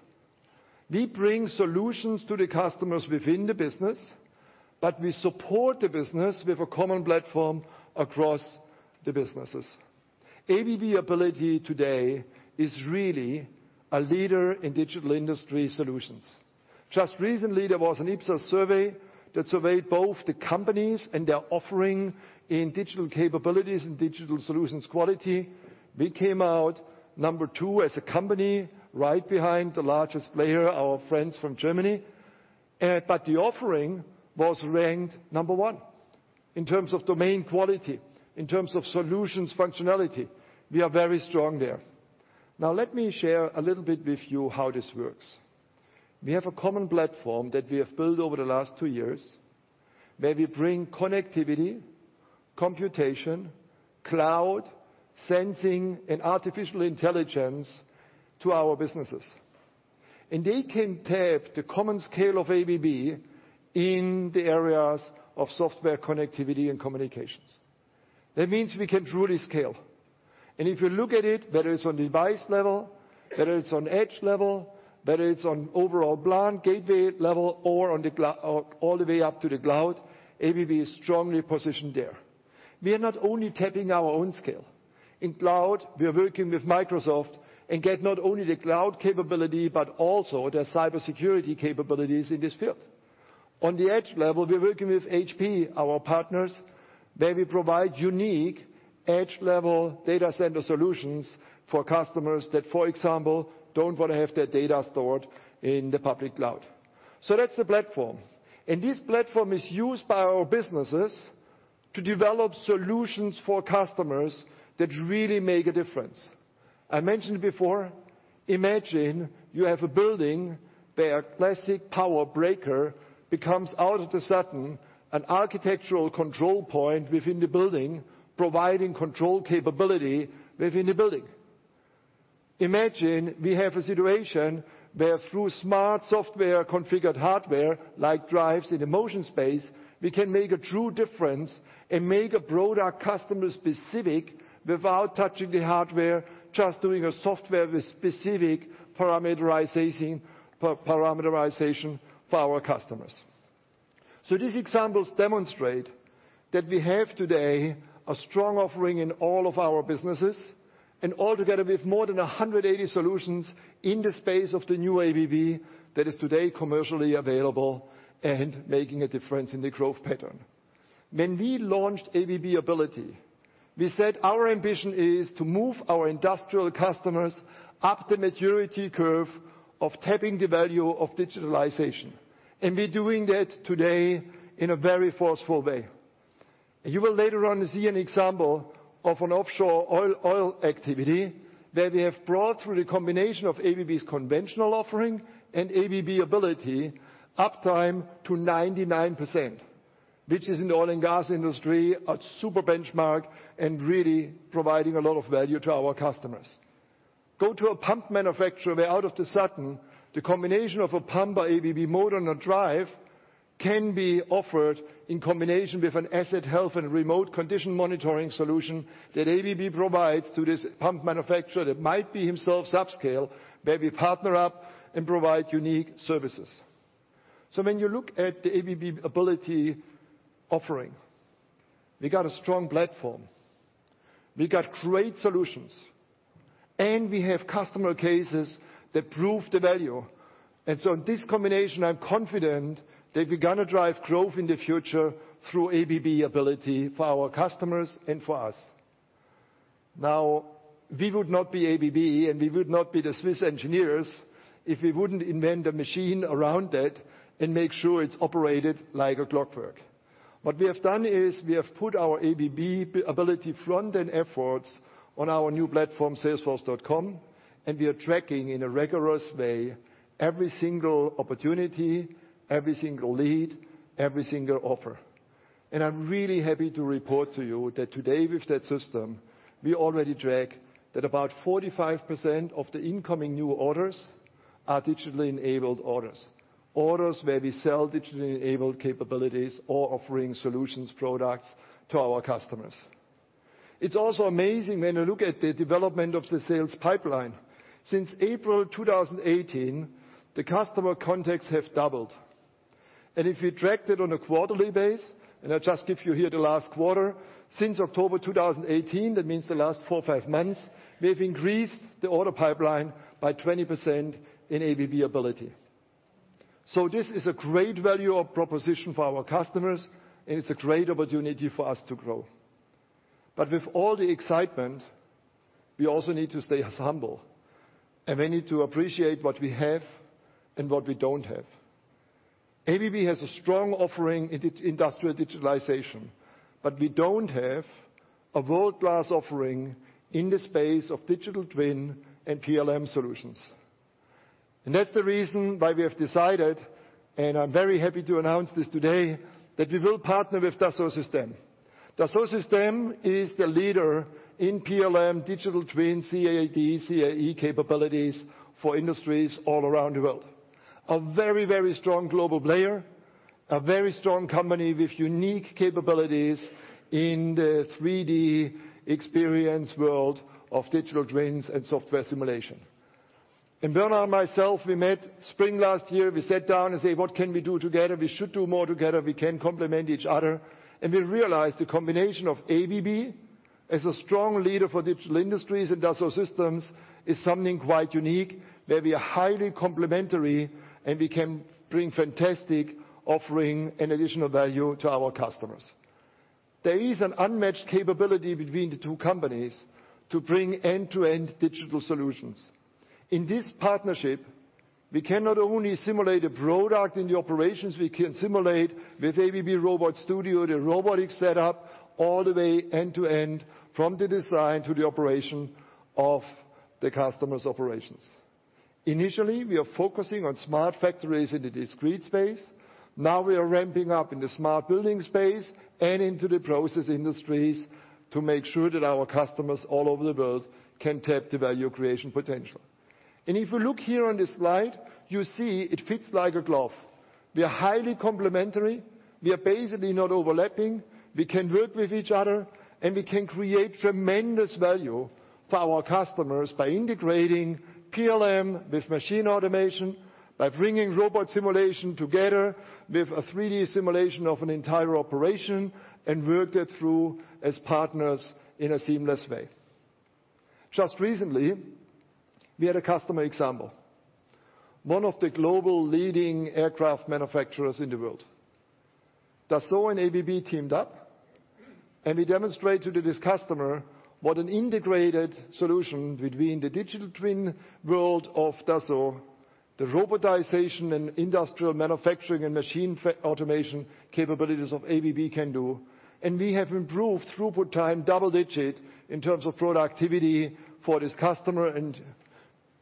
We bring solutions to the customers within the business, but we support the business with a common platform across the businesses. ABB Ability today is really a leader in digital industry solutions. Just recently, there was an Ipsos survey that surveyed both the companies and their offering in digital capabilities and digital solutions quality. We came out number two as a company, right behind the largest player, our friends from Germany. The offering was ranked number one in terms of domain quality, in terms of solutions functionality. We are very strong there. Let me share a little bit with you how this works. We have a common platform that we have built over the last two years, where we bring connectivity, computation, cloud, sensing, and artificial intelligence to our businesses. They can tap the common scale of ABB in the areas of software connectivity and communications. That means we can truly scale. If you look at it, whether it's on device level, whether it's on edge level, whether it's on overall plant gateway level, or all the way up to the cloud, ABB is strongly positioned there. We are not only tapping our own scale. In cloud, we are working with Microsoft and get not only the cloud capability but also their cybersecurity capabilities in this field. On the edge level, we are working with HP, our partners, where we provide unique edge-level data center solutions for customers that, for example, don't want to have their data stored in the public cloud. That's the platform. This platform is used by our businesses to develop solutions for customers that really make a difference. I mentioned before, imagine you have a building where a classic power breaker becomes, all of the sudden, an architectural control point within the building, providing control capability within the building. Imagine we have a situation where through smart software-configured hardware, like drives in the motion space, we can make a true difference and make a product customer-specific without touching the hardware, just doing a software with specific parameterization for our customers. These examples demonstrate that we have today a strong offering in all of our businesses and all together with more than 180 solutions in the space of the new ABB that is today commercially available and making a difference in the growth pattern. When we launched ABB Ability, we said our ambition is to move our industrial customers up the maturity curve of tapping the value of digitalization. We're doing that today in a very forceful way. You will later on see an example of an offshore oil activity where we have brought through the combination of ABB's conventional offering and ABB Ability uptime to 99%, which is, in the oil and gas industry, a super benchmark and really providing a lot of value to our customers. Go to a pump manufacturer where all of the sudden, the combination of a pump by ABB motor and a drive can be offered in combination with an asset health and remote condition monitoring solution that ABB provides to this pump manufacturer that might be himself subscale, where we partner up and provide unique services. When you look at the ABB Ability offering, we got a strong platform. We got great solutions, and we have customer cases that prove the value. In this combination, I'm confident that we're going to drive growth in the future through ABB Ability for our customers and for us. We would not be ABB, and we would not be the Swiss engineers, if we wouldn't invent a machine around that and make sure it's operated like clockwork. What we have done is we have put our ABB Ability front-end efforts on our new platform, salesforce.com, and we are tracking in a rigorous way every single opportunity, every single lead, every single offer. I'm really happy to report to you that today with that system, we already track that about 45% of the incoming new orders are digitally enabled orders where we sell digitally enabled capabilities or offering solutions, products to our customers. It's also amazing when you look at the development of the sales pipeline. Since April 2018, the customer contacts have doubled. If you track that on a quarterly base, and I'll just give you here the last quarter, since October 2018, that means the last four or five months, we have increased the order pipeline by 20% in ABB Ability. This is a great value proposition for our customers, and it's a great opportunity for us to grow. With all the excitement, we also need to stay as humble, and we need to appreciate what we have and what we don't have. ABB has a strong offering in industrial digitalization, but we don't have a world-class offering in the space of digital twin and PLM solutions. That's the reason why we have decided, and I'm very happy to announce this today, that we will partner with Dassault Systèmes. Dassault Systèmes is the leader in PLM digital twin CAD/CAE capabilities for industries all around the world. A very, very strong global player, a very strong company with unique capabilities in the 3DEXPERIENCE world of digital twins and software simulation. Bernard and myself, we met spring last year. We sat down and said, "What can we do together? We should do more together. We can complement each other." We realized the combination of ABB as a strong leader for digital industries and Dassault Systèmes is something quite unique, where we are highly complementary, and we can bring fantastic offering and additional value to our customers. There is an unmatched capability between the two companies to bring end-to-end digital solutions. In this partnership, we can not only simulate a product in the operations, we can simulate with ABB RobotStudio, the robotics set up all the way end to end, from the design to the operation of the customer's operations. Initially, we are focusing on smart factories in the discrete space. We are ramping up in the smart building space and into the process industries to make sure that our customers all over the world can tap the value creation potential. If we look here on this slide, you see it fits like a glove. We are highly complementary. We are basically not overlapping. We can work with each other, and we can create tremendous value for our customers by integrating PLM with machine automation, by bringing RobotStudio together with a 3D simulation of an entire operation and work that through as partners in a seamless way. Just recently, we had a customer example, one of the global leading aircraft manufacturers in the world. Dassault and ABB teamed up, and we demonstrated to this customer what an integrated solution between the digital twin world of Dassault, the robotization in industrial manufacturing and machine automation capabilities of ABB can do. We have improved throughput time double-digit in terms of productivity for this customer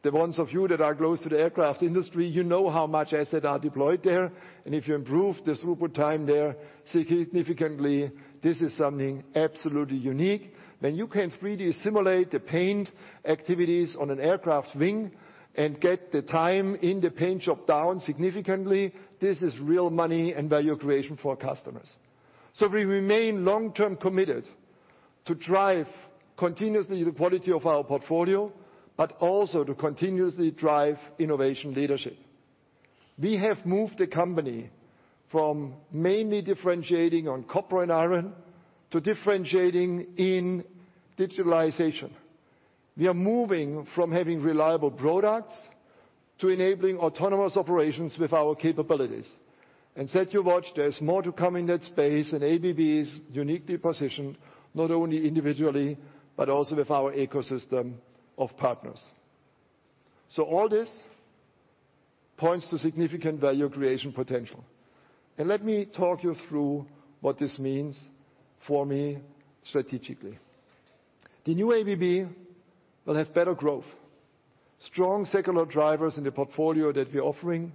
and the ones of you that are close to the aircraft industry, you know how much asset are deployed there. If you improve the throughput time there significantly, this is something absolutely unique. When you can 3D simulate the paint activities on an aircraft wing and get the time in the paint shop down significantly, this is real money and value creation for our customers. We remain long-term committed to drive continuously the quality of our portfolio, but also to continuously drive innovation leadership. We have moved the company from mainly differentiating on copper and iron to differentiating in digitalization. We are moving from having reliable products to enabling autonomous operations with our capabilities. Set your watch, there's more to come in that space, ABB is uniquely positioned, not only individually, but also with our ecosystem of partners. All this points to significant value creation potential. Let me talk you through what this means for me strategically. The new ABB will have better growth, strong secular drivers in the portfolio that we're offering,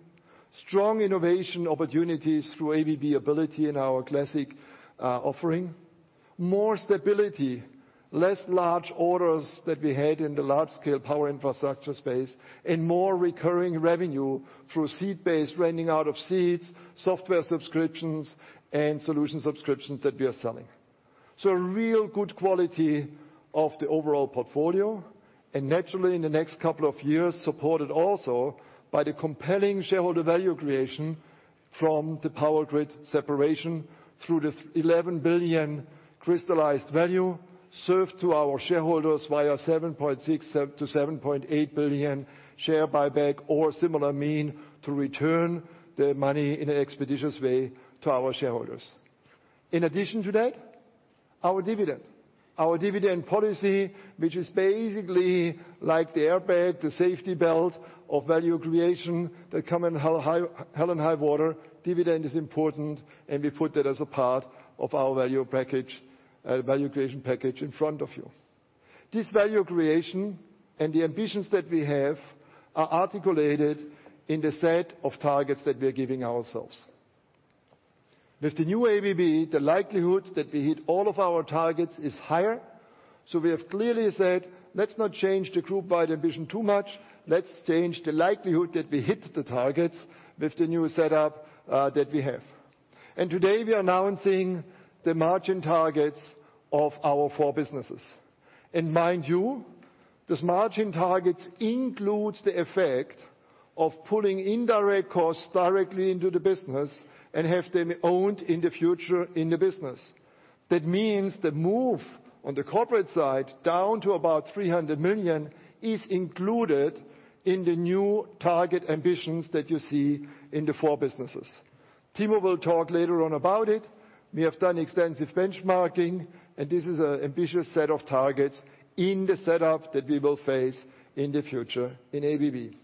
strong innovation opportunities through ABB Ability in our classic offering, more stability, less large orders that we had in the large-scale power infrastructure space, and more recurring revenue through seed-based renting out of seeds, software subscriptions, and solution subscriptions that we are selling. A real good quality of the overall portfolio, naturally in the next couple of years, supported also by the compelling shareholder value creation from the Power Grids separation through the 11 billion crystallized value served to our shareholders via 7.6 billion-7.8 billion share buyback or similar mean to return the money in an expeditious way to our shareholders. In addition to that, our dividend. Our dividend policy, which is basically like the airbag, the safety belt of value creation that come hell and high water, dividend is important, we put that as a part of our value creation package in front of you. This value creation and the ambitions that we have are articulated in the set of targets that we are giving ourselves. With the new ABB, the likelihood that we hit all of our targets is higher. We have clearly said, "Let's not change the group-wide ambition too much. Let's change the likelihood that we hit the targets with the new setup that we have." Today, we are announcing the margin targets of our four businesses. Mind you, these margin targets includes the effect of pulling indirect costs directly into the business and have them owned in the future in the business. That means the move on the corporate side down to about 300 million is included in the new target ambitions that you see in the four businesses. Timo will talk later on about it. We have done extensive benchmarking, and this is an ambitious set of targets in the setup that we will face in the future in ABB.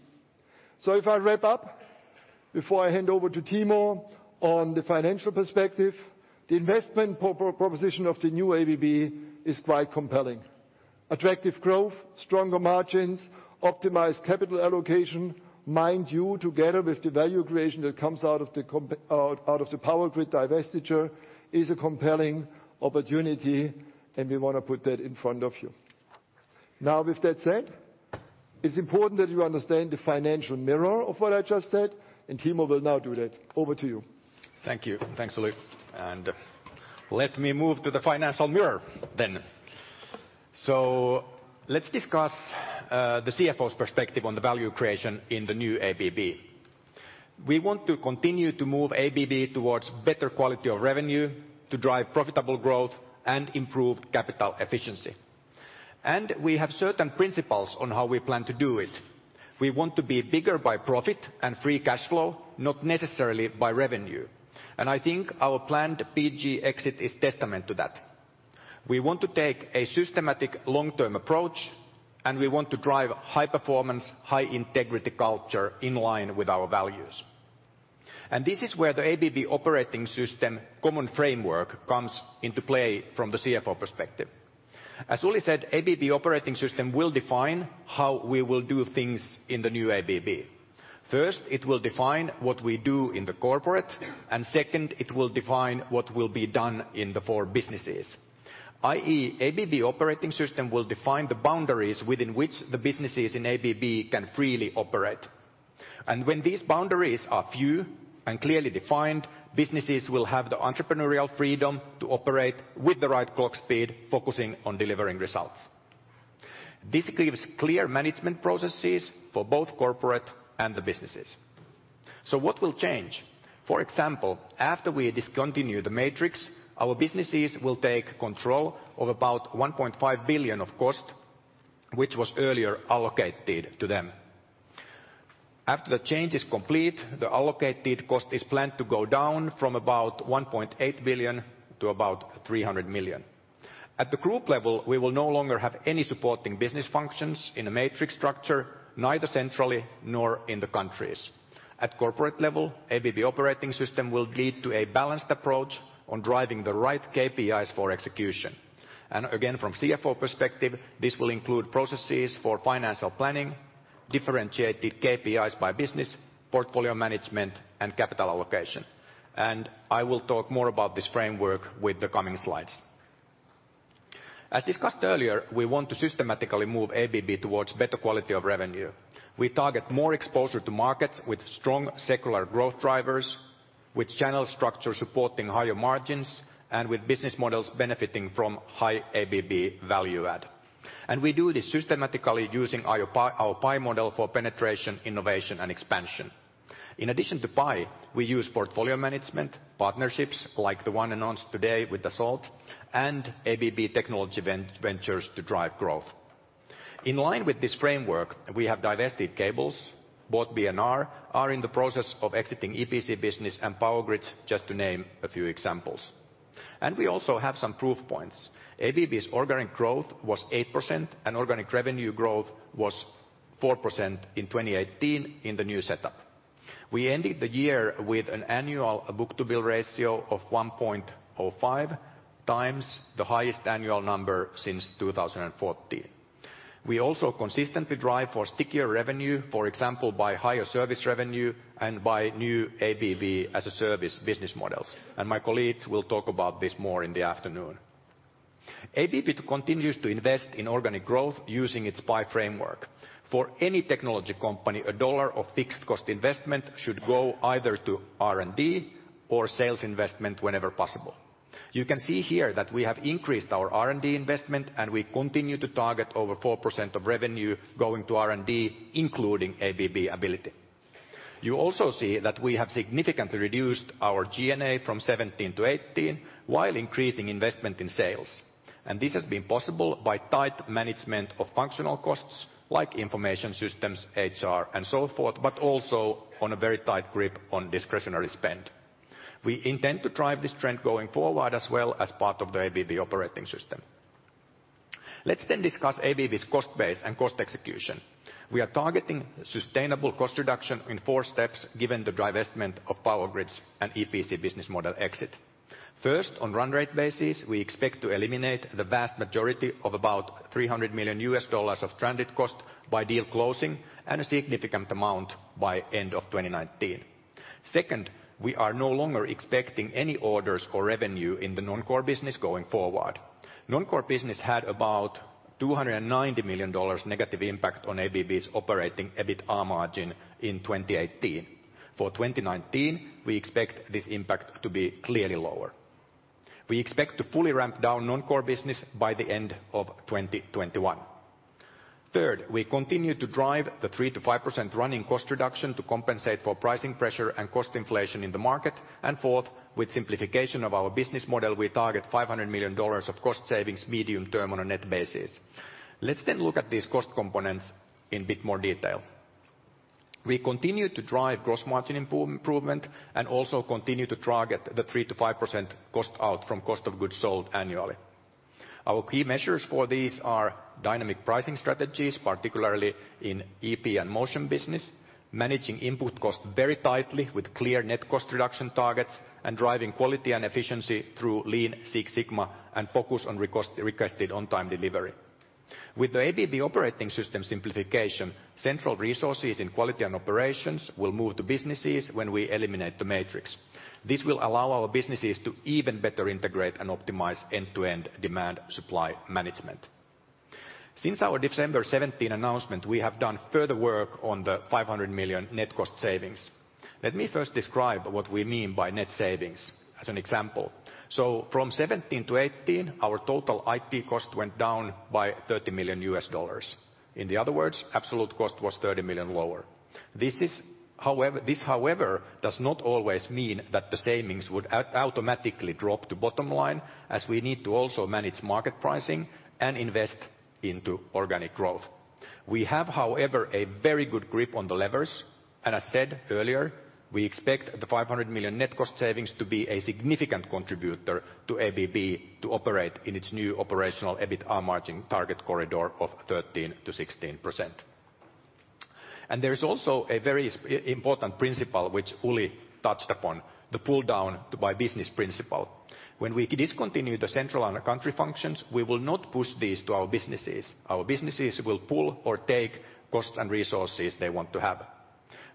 If I wrap up before I hand over to Timo on the financial perspective, the investment proposition of the new ABB is quite compelling. Attractive growth, stronger margins, optimized capital allocation. Mind you, together with the value creation that comes out of the Power Grids divestiture, is a compelling opportunity, and we want to put that in front of you. With that said, it's important that you understand the financial mirror of what I just said, and Timo will now do that. Over to you. Thank you. Thanks, Uli. Let me move to the financial mirror then. Let's discuss the CFO's perspective on the value creation in the new ABB. We want to continue to move ABB towards better quality of revenue to drive profitable growth and improve capital efficiency. We have certain principles on how we plan to do it. We want to be bigger by profit and free cash flow, not necessarily by revenue. I think our planned PG exit is testament to that. We want to take a systematic long-term approach, and we want to drive high performance, high integrity culture in line with our values. This is where the ABB operating system common framework comes into play from the CFO perspective. As Uli said, ABB operating system will define how we will do things in the new ABB. First, it will define what we do in the corporate. Second, it will define what will be done in the four businesses, i.e., ABB operating system will define the boundaries within which the businesses in ABB can freely operate. When these boundaries are few and clearly defined, businesses will have the entrepreneurial freedom to operate with the right clock speed, focusing on delivering results. This gives clear management processes for both corporate and the businesses. What will change? For example, after we discontinue the matrix, our businesses will take control of about 1.5 billion of cost, which was earlier allocated to them. After the change is complete, the allocated cost is planned to go down from about 1.8 billion to about 300 million. At the group level, we will no longer have any supporting business functions in a matrix structure, neither centrally nor in the countries. At corporate level, ABB operating system will lead to a balanced approach on driving the right KPIs for execution. Again, from CFO perspective, this will include processes for financial planning, differentiated KPIs by business, portfolio management, and capital allocation. I will talk more about this framework with the coming slides. As discussed earlier, we want to systematically move ABB towards better quality of revenue. We target more exposure to markets with strong secular growth drivers, with channel structure supporting higher margins, and with business models benefiting from high ABB value add. We do this systematically using our PI model for penetration, innovation, and expansion. In addition to PI, we use portfolio management, partnerships like the one announced today with Dassault Systèmes and ABB Technology Ventures to drive growth. In line with this framework, we have divested cables. Both B&R are in the process of exiting EPC business and Power Grids, just to name a few examples. We also have some proof points. ABB's organic growth was 8% and organic revenue growth was 4% in 2018 in the new setup. We ended the year with an annual book-to-bill ratio of 1.05 times the highest annual number since 2014. We also consistently drive for stickier revenue, for example, by higher service revenue and by new ABB as a service business models. My colleagues will talk about this more in the afternoon. ABB continues to invest in organic growth using its PI framework. For any technology company, a dollar of fixed cost investment should go either to R&D or sales investment whenever possible. You can see here that we have increased our R&D investment. We continue to target over 4% of revenue going to R&D, including ABB Ability. You also see that we have significantly reduced our G&A from 2017-2018, while increasing investment in sales. This has been possible by tight management of functional costs like Information Systems, HR, and so forth, but also on a very tight grip on discretionary spend. We intend to drive this trend going forward as well as part of the ABB operating system. Let's discuss ABB's cost base and cost execution. We are targeting sustainable cost reduction in four steps given the divestment of Power Grids and EPC business model exit. First, on run rate basis, we expect to eliminate the vast majority of about CHF 300 million of transit cost by deal closing and a significant amount by end of 2019. Second, we are no longer expecting any orders or revenue in the non-core business going forward. Non-core business had about CHF 290 million negative impact on ABB's Operational EBITA margin in 2018. For 2019, we expect this impact to be clearly lower. We expect to fully ramp down non-core business by the end of 2021. Third, we continue to drive the 3%-5% running cost reduction to compensate for pricing pressure and cost inflation in the market. Fourth, with simplification of our business model, we target CHF 500 million of cost savings medium-term on a net basis. Let's look at these cost components in bit more detail. We continue to drive gross margin improvement and also continue to target the 3%-5% cost out from cost of goods sold annually. Our key measures for these are dynamic pricing strategies, particularly in EP and Motion business, managing input costs very tightly with clear net cost reduction targets, and driving quality and efficiency through Lean Six Sigma and focus on requested on-time delivery. With the ABB Operating System simplification, central resources in quality and operations will move to businesses when we eliminate the matrix. This will allow our businesses to even better integrate and optimize end-to-end demand supply management. Since our December 17 announcement, we have done further work on the 500 million net cost savings. Let me first describe what we mean by net savings as an example. From 2017 to 2018, our total IT cost went down by $30 million. In other words, absolute cost was $30 million lower. This, however, does not always mean that the savings would automatically drop to bottom line as we need to also manage market pricing and invest into organic growth. We have, however, a very good grip on the levers, and as said earlier, we expect the 500 million net cost savings to be a significant contributor to ABB to operate in its new Operational EBITA margin target corridor of 13%-16%. There is also a very important principle which Uli touched upon, the pull down to by business principle. When we discontinue the central and country functions, we will not push these to our businesses. Our businesses will pull or take costs and resources they want to have.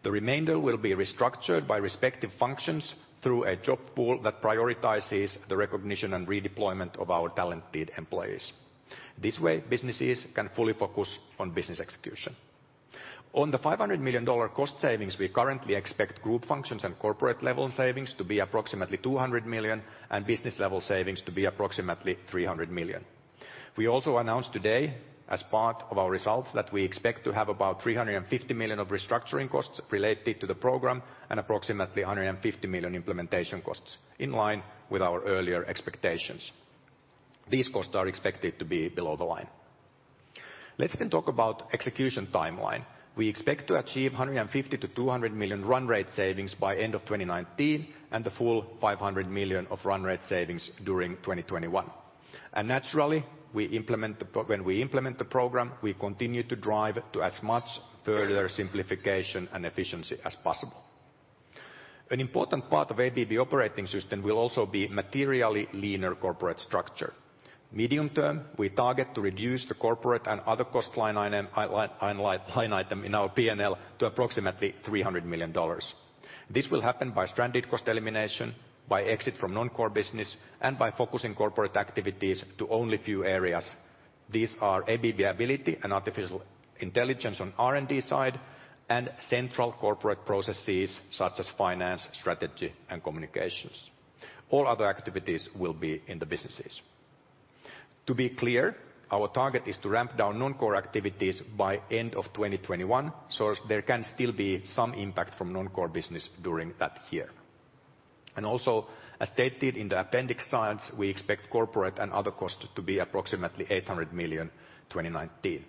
The remainder will be restructured by respective functions through a job pool that prioritizes the recognition and redeployment of our talented employees. This way, businesses can fully focus on business execution. On the CHF 500 million cost savings, we currently expect group functions and corporate level savings to be approximately 200 million and business level savings to be approximately 300 million. We also announced today, as part of our results, that we expect to have about 350 million of restructuring costs related to the program and approximately 150 million implementation costs in line with our earlier expectations. These costs are expected to be below the line. Let's talk about execution timeline. We expect to achieve 150 million-200 million run rate savings by end of 2019 and the full 500 million of run rate savings during 2021. Naturally, when we implement the program, we continue to drive to as much further simplification and efficiency as possible. An important part of ABB Operating System will also be materially leaner corporate structure. Medium term, we target to reduce the corporate and other cost line item in our P&L to approximately CHF 300 million. This will happen by stranded cost elimination, by exit from non-core business, and by focusing corporate activities to only a few areas. These are ABB Ability and artificial intelligence on R&D side and central corporate processes such as finance, strategy, and communications. All other activities will be in the businesses. To be clear, our target is to ramp down non-core activities by end of 2021, so there can still be some impact from non-core business during that year. Also, as stated in the appendix slides, we expect corporate and other costs to be approximately 800 million in 2019.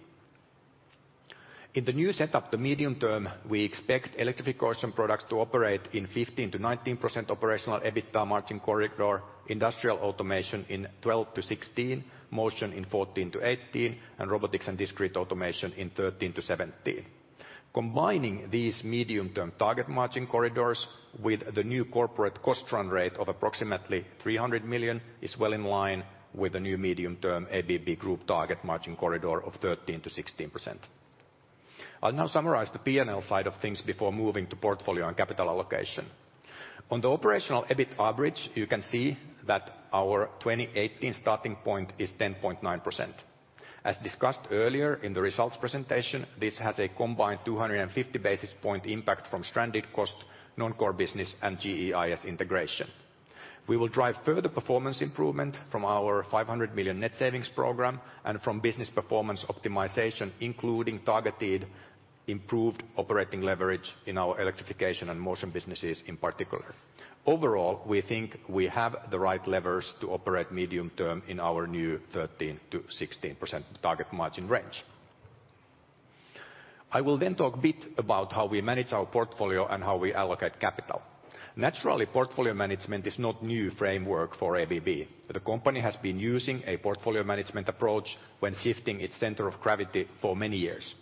In the new setup, the medium term, we expect Electrification Products to operate in 15%-19% Operational EBITA margin corridor, Industrial Automation in 12%-16%, Motion in 14%-18%, and Robotics and Discrete Automation in 13%-17%. Combining these medium-term target margin corridors with the new corporate cost run rate of approximately 300 million is well in line with the new medium-term ABB Group target margin corridor of 13%-16%. I'll now summarize the P&L side of things before moving to portfolio and capital allocation. On the Operational EBITA, you can see that our 2018 starting point is 10.9%. As discussed earlier in the results presentation, this has a combined 250 basis point impact from stranded cost, non-core business, and GEIS integration. We will drive further performance improvement from our 500 million net savings program and from business performance optimization, including targeted improved operating leverage in our Electrification and Motion businesses in particular. Overall, we think we have the right levers to operate medium term in our new 13%-16% target margin range. I will then talk a bit about how we manage our portfolio and how we allocate capital. Naturally, portfolio management is not new framework for ABB. The company has been using a portfolio management approach when shifting its center of gravity for many years.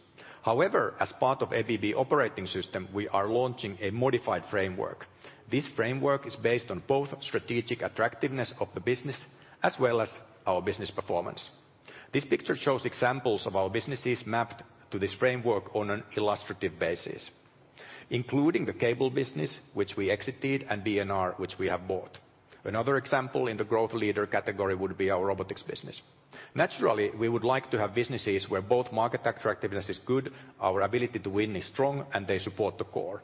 However, as part of ABB Operating System, we are launching a modified framework. This framework is based on both strategic attractiveness of the business as well as our business performance. This picture shows examples of our businesses mapped to this framework on an illustrative basis, including the cable business, which we exited, and B&R, which we have bought. Another example in the growth leader category would be our robotics business. Naturally, we would like to have businesses where both market attractiveness is good, our ability to win is strong, and they support the core.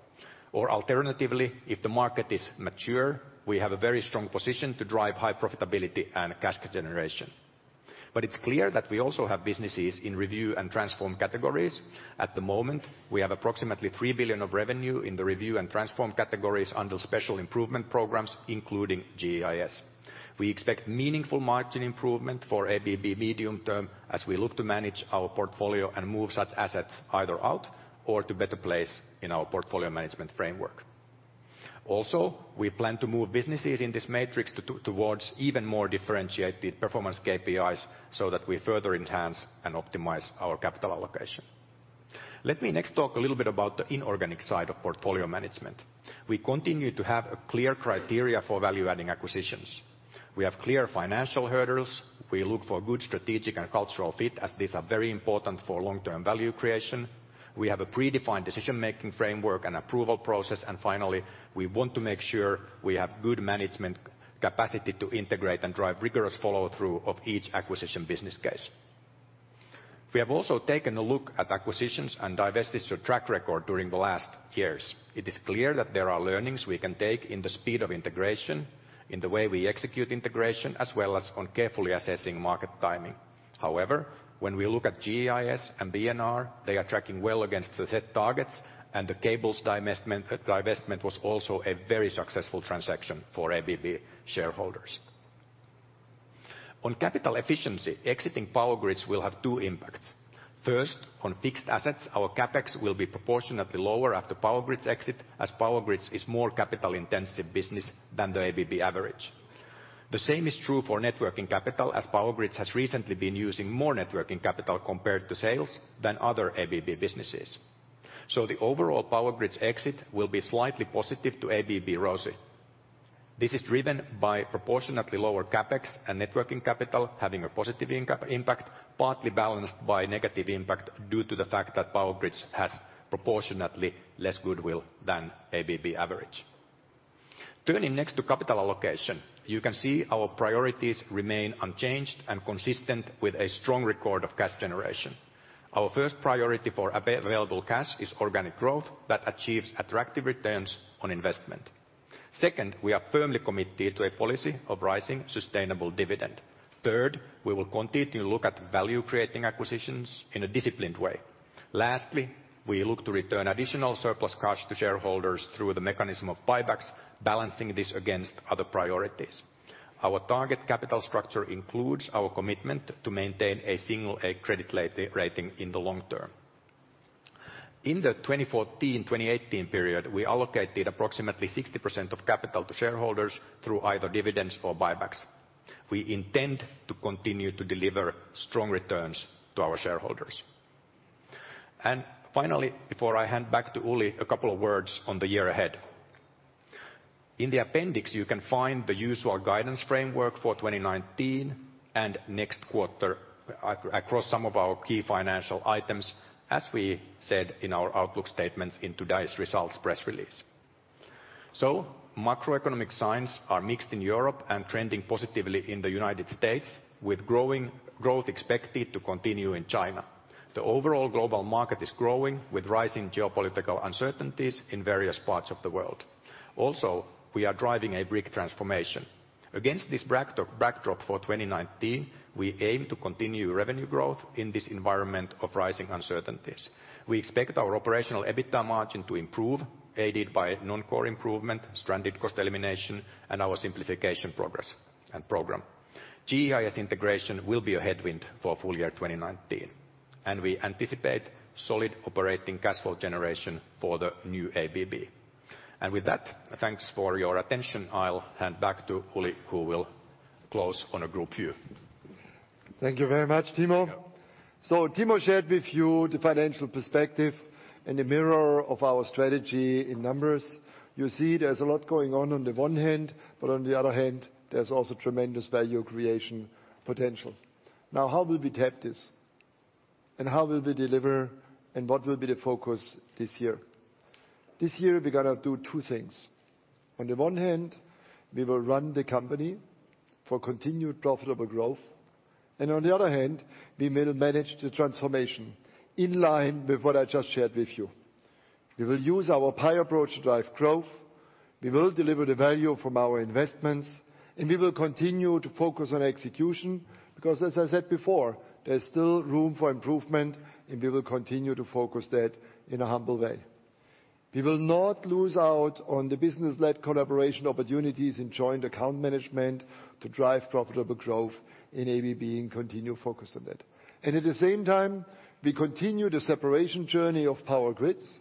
Or alternatively, if the market is mature, we have a very strong position to drive high profitability and cash generation. But it's clear that we also have businesses in review and transform categories. At the moment, we have approximately 3 billion of revenue in the review and transform categories under special improvement programs, including GEIS. We expect meaningful margin improvement for ABB medium term as we look to manage our portfolio and move such assets either out or to a better place in our portfolio management framework. Also, we plan to move businesses in this matrix towards even more differentiated performance KPIs so that we further enhance and optimize our capital allocation. Let me next talk a little bit about the inorganic side of portfolio management. We continue to have a clear criteria for value-adding acquisitions. We have clear financial hurdles. We look for good strategic and cultural fit, as these are very important for long-term value creation. We have a predefined decision-making framework and approval process. Finally, we want to make sure we have good management capacity to integrate and drive rigorous follow-through of each acquisition business case. We have also taken a look at acquisitions and divestiture track record during the last years. It is clear that there are learnings we can take in the speed of integration, in the way we execute integration, as well as on carefully assessing market timing. However, when we look at GEIS and B&R, they are tracking well against the set targets, and the cables divestment was also a very successful transaction for ABB shareholders. On capital efficiency, exiting Power Grids will have two impacts. First, on fixed assets, our CapEx will be proportionately lower after Power Grids exit as Power Grids is more capital-intensive business than the ABB average. The same is true for networking capital, as Power Grids has recently been using more networking capital compared to sales than other ABB businesses. The overall Power Grids exit will be slightly positive to ABB ROACE. This is driven by proportionately lower CapEx and networking capital having a positive impact, partly balanced by negative impact due to the fact that Power Grids has proportionately less goodwill than ABB average. Turning next to capital allocation, you can see our priorities remain unchanged and consistent with a strong record of cash generation. Our first priority for available cash is organic growth that achieves attractive returns on investment. Second, we are firmly committed to a policy of rising sustainable dividend. Third, we will continue to look at value-creating acquisitions in a disciplined way. Lastly, we look to return additional surplus cash to shareholders through the mechanism of buybacks, balancing this against other priorities. Our target capital structure includes our commitment to maintain a single A credit rating in the long term. In the 2014-2018 period, we allocated approximately 60% of capital to shareholders through either dividends or buybacks. We intend to continue to deliver strong returns to our shareholders. Finally, before I hand back to Uli, a couple of words on the year ahead. In the appendix, you can find the usual guidance framework for 2019 and next quarter across some of our key financial items, as we said in our outlook statements in today's results press release. Macroeconomic signs are mixed in Europe and trending positively in the United States, with growth expected to continue in China. The overall global market is growing, with rising geopolitical uncertainties in various parts of the world. Also, we are driving a big transformation. Against this backdrop for 2019, we aim to continue revenue growth in this environment of rising uncertainties. We expect our operational EBITDA margin to improve, aided by non-core improvement, stranded cost elimination, and our simplification progress and program. GEIS integration will be a headwind for full year 2019, and we anticipate solid operating cash flow generation for the new ABB. With that, thanks for your attention. I'll hand back to Uli, who will close on a group view. Thank you very much, Timo. Timo shared with you the financial perspective and the mirror of our strategy in numbers. You see there's a lot going on on the one hand, but on the other hand, there's also tremendous value creation potential. How will we tap this, and how will we deliver, and what will be the focus this year? This year, we're going to do two things. On the one hand, we will run the company for continued profitable growth. On the other hand, we will manage the transformation in line with what I just shared with you. We will use our PIE approach to drive growth. We will deliver the value from our investments, and we will continue to focus on execution because, as I said before, there's still room for improvement, and we will continue to focus that in a humble way. We will not lose out on the business-led collaboration opportunities in joint account management to drive profitable growth in ABB and continue focus on that. At the same time, we continue the separation journey of Power Grids.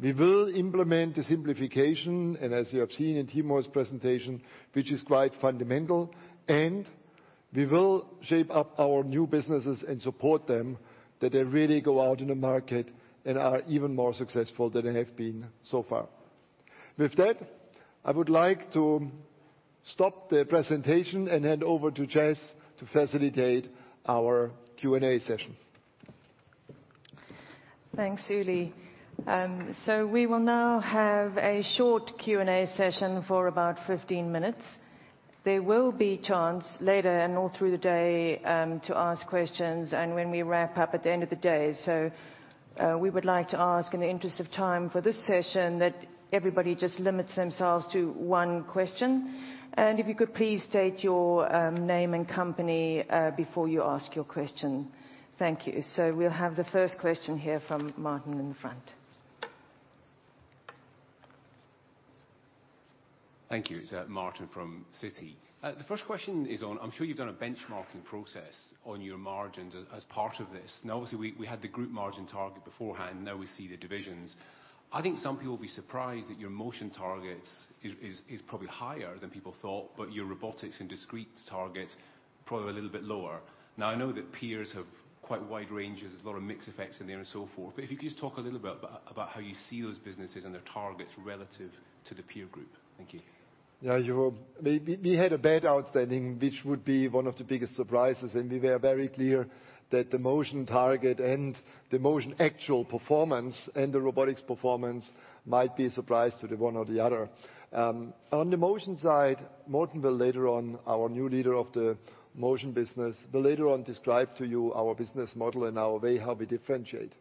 We will implement the simplification, and as you have seen in Timo's presentation, which is quite fundamental, we will shape up our new businesses and support them that they really go out in the market and are even more successful than they have been so far. With that, I would like to stop the presentation and hand over to Jess to facilitate our Q&A session. Thanks, Uli. We will now have a short Q&A session for about 15 minutes. There will be chance later and all through the day, to ask questions and when we wrap up at the end of the day. We would like to ask, in the interest of time for this session, that everybody just limits themselves to one question. If you could please state your name and company before you ask your question. Thank you. We'll have the first question here from Martin in the front. Thank you. It's Martin from Citi. The first question is on, I'm sure you've done a benchmarking process on your margins as part of this. Obviously, we had the group margin target beforehand, now we see the divisions. I think some people will be surprised that your Motion target is probably higher than people thought, but your Robotics and Discrete targets probably are a little bit lower. I know that peers have quite wide ranges. There's a lot of mix effects in there and so forth. If you could just talk a little bit about how you see those businesses and their targets relative to the peer group. Thank you. Yeah, you're welcome. We had a bad outstanding, which would be one of the biggest surprises, and we were very clear that the Motion target and the Motion actual performance and the Robotics performance might be a surprise to the one or the other. On the Motion side, Martin will later on, our new leader of the Motion business, will later on describe to you our business model and our way how we differentiate.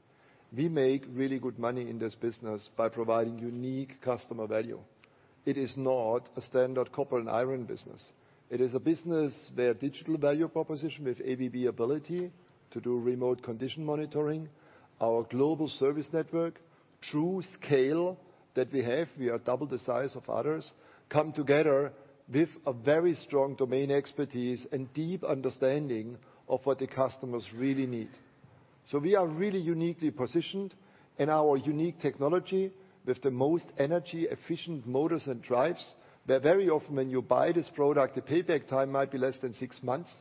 We make really good money in this business by providing unique customer value. It is not a standard copper and iron business. It is a business where digital value proposition with ABB Ability to do remote condition monitoring, our global service network, true scale that we have, we are double the size of others, come together with a very strong domain expertise and deep understanding of what the customers really need. We are really uniquely positioned, and our unique technology with the most energy-efficient motors and drives, where very often when you buy this product, the payback time might be less than six months.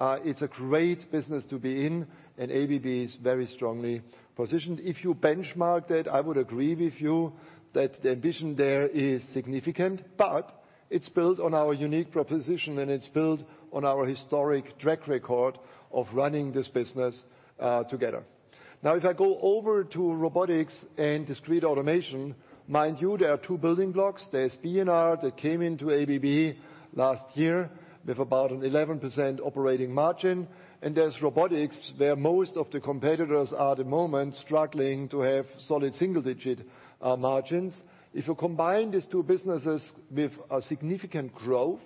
It's a great business to be in, and ABB is very strongly positioned. If you benchmark that, I would agree with you that the ambition there is significant, but it's built on our unique proposition, and it's built on our historic track record of running this business together. If I go over to Robotics and Discrete Automation, mind you, there are two building blocks. There's B&R that came into ABB last year with about an 11% operating margin, and there's Robotics, where most of the competitors are at the moment struggling to have solid single-digit margins. If you combine these two businesses with a significant growth,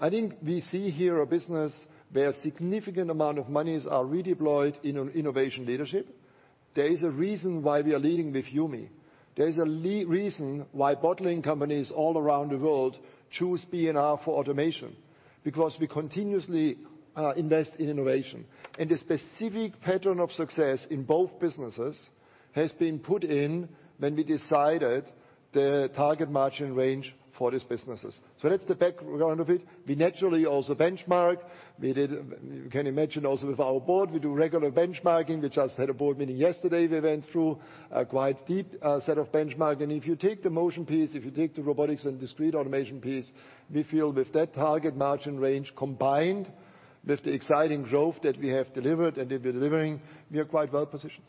I think we see here a business where a significant amount of monies are redeployed in innovation leadership. There is a reason why we are leading with YuMi. There is a reason why bottling companies all around the world choose B&R for automation. We continuously invest in innovation. The specific pattern of success in both businesses has been put in when we decided the target margin range for these businesses. That's the background of it. We naturally also benchmark. You can imagine also with our board, we do regular benchmarking. We just had a board meeting yesterday. We went through a quite deep set of benchmarking. If you take the Motion piece, if you take the Robotics and Discrete Automation piece, we feel with that target margin range combined with the exciting growth that we have delivered and will be delivering, we are quite well positioned.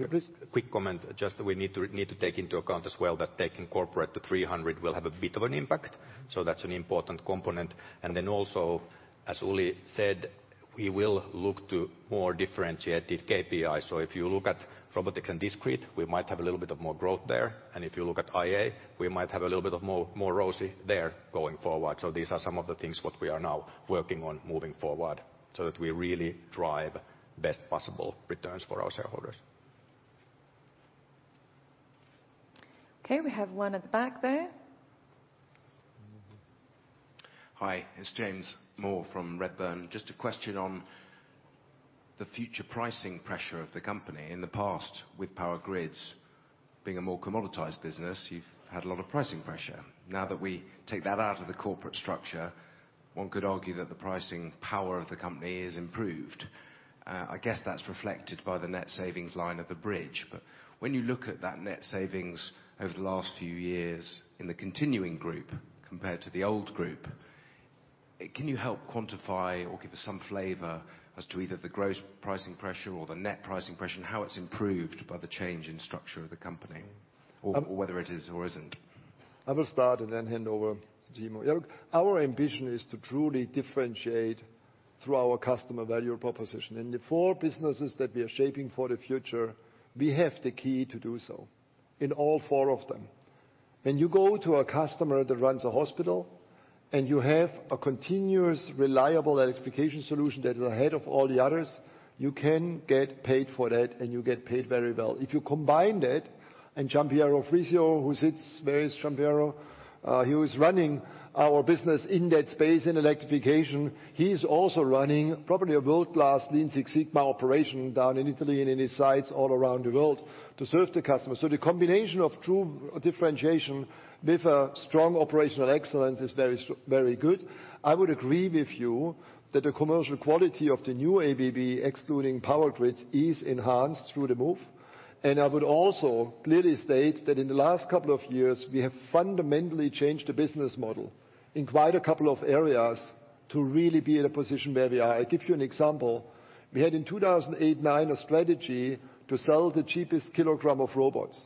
Yeah, please. Quick comment. Just that we need to take into account as well that taking corporate to 300 will have a bit of an impact, so that's an important component. Also, as Uli said, we will look to more differentiated KPIs. If you look at Robotics and Discrete, we might have a little bit of more growth there, and if you look at IA, we might have a little bit of more rosy there going forward. These are some of the things what we are now working on moving forward so that we really drive best possible returns for our shareholders. Okay, we have one at the back there. Hi, it's James Moore from Redburn. Just a question on the future pricing pressure of the company. In the past, with Power Grids being a more commoditized business, you've had a lot of pricing pressure. Now that we take that out of the corporate structure, one could argue that the pricing power of the company is improved. I guess that's reflected by the net savings line of the bridge. When you look at that net savings over the last few years in the continuing group compared to the old group, can you help quantify or give us some flavor as to either the gross pricing pressure or the net pricing pressure and how it's improved by the change in structure of the company? Or whether it is or isn't. I will start and then hand over to Timo. Our ambition is to truly differentiate through our customer value proposition. In the four businesses that we are shaping for the future, we have the key to do so in all four of them. When you go to a customer that runs a hospital and you have a continuous, reliable electrification solution that is ahead of all the others, you can get paid for that, and you get paid very well. If you combine that, and Gianpiero Frisio who sits Where is Gian Piero? He was running our business in that space in electrification. He is also running probably a world-class Lean Six Sigma operation down in Italy and in his sites all around the world to serve the customer. The combination of true differentiation with a strong operational excellence is very good. I would agree with you that the commercial quality of the new ABB excluding Power Grids is enhanced through the move. I would also clearly state that in the last couple of years, we have fundamentally changed the business model in quite a couple of areas to really be in a position where we are. I give you an example. We had in 2008-2009 a strategy to sell the cheapest kilogram of robots.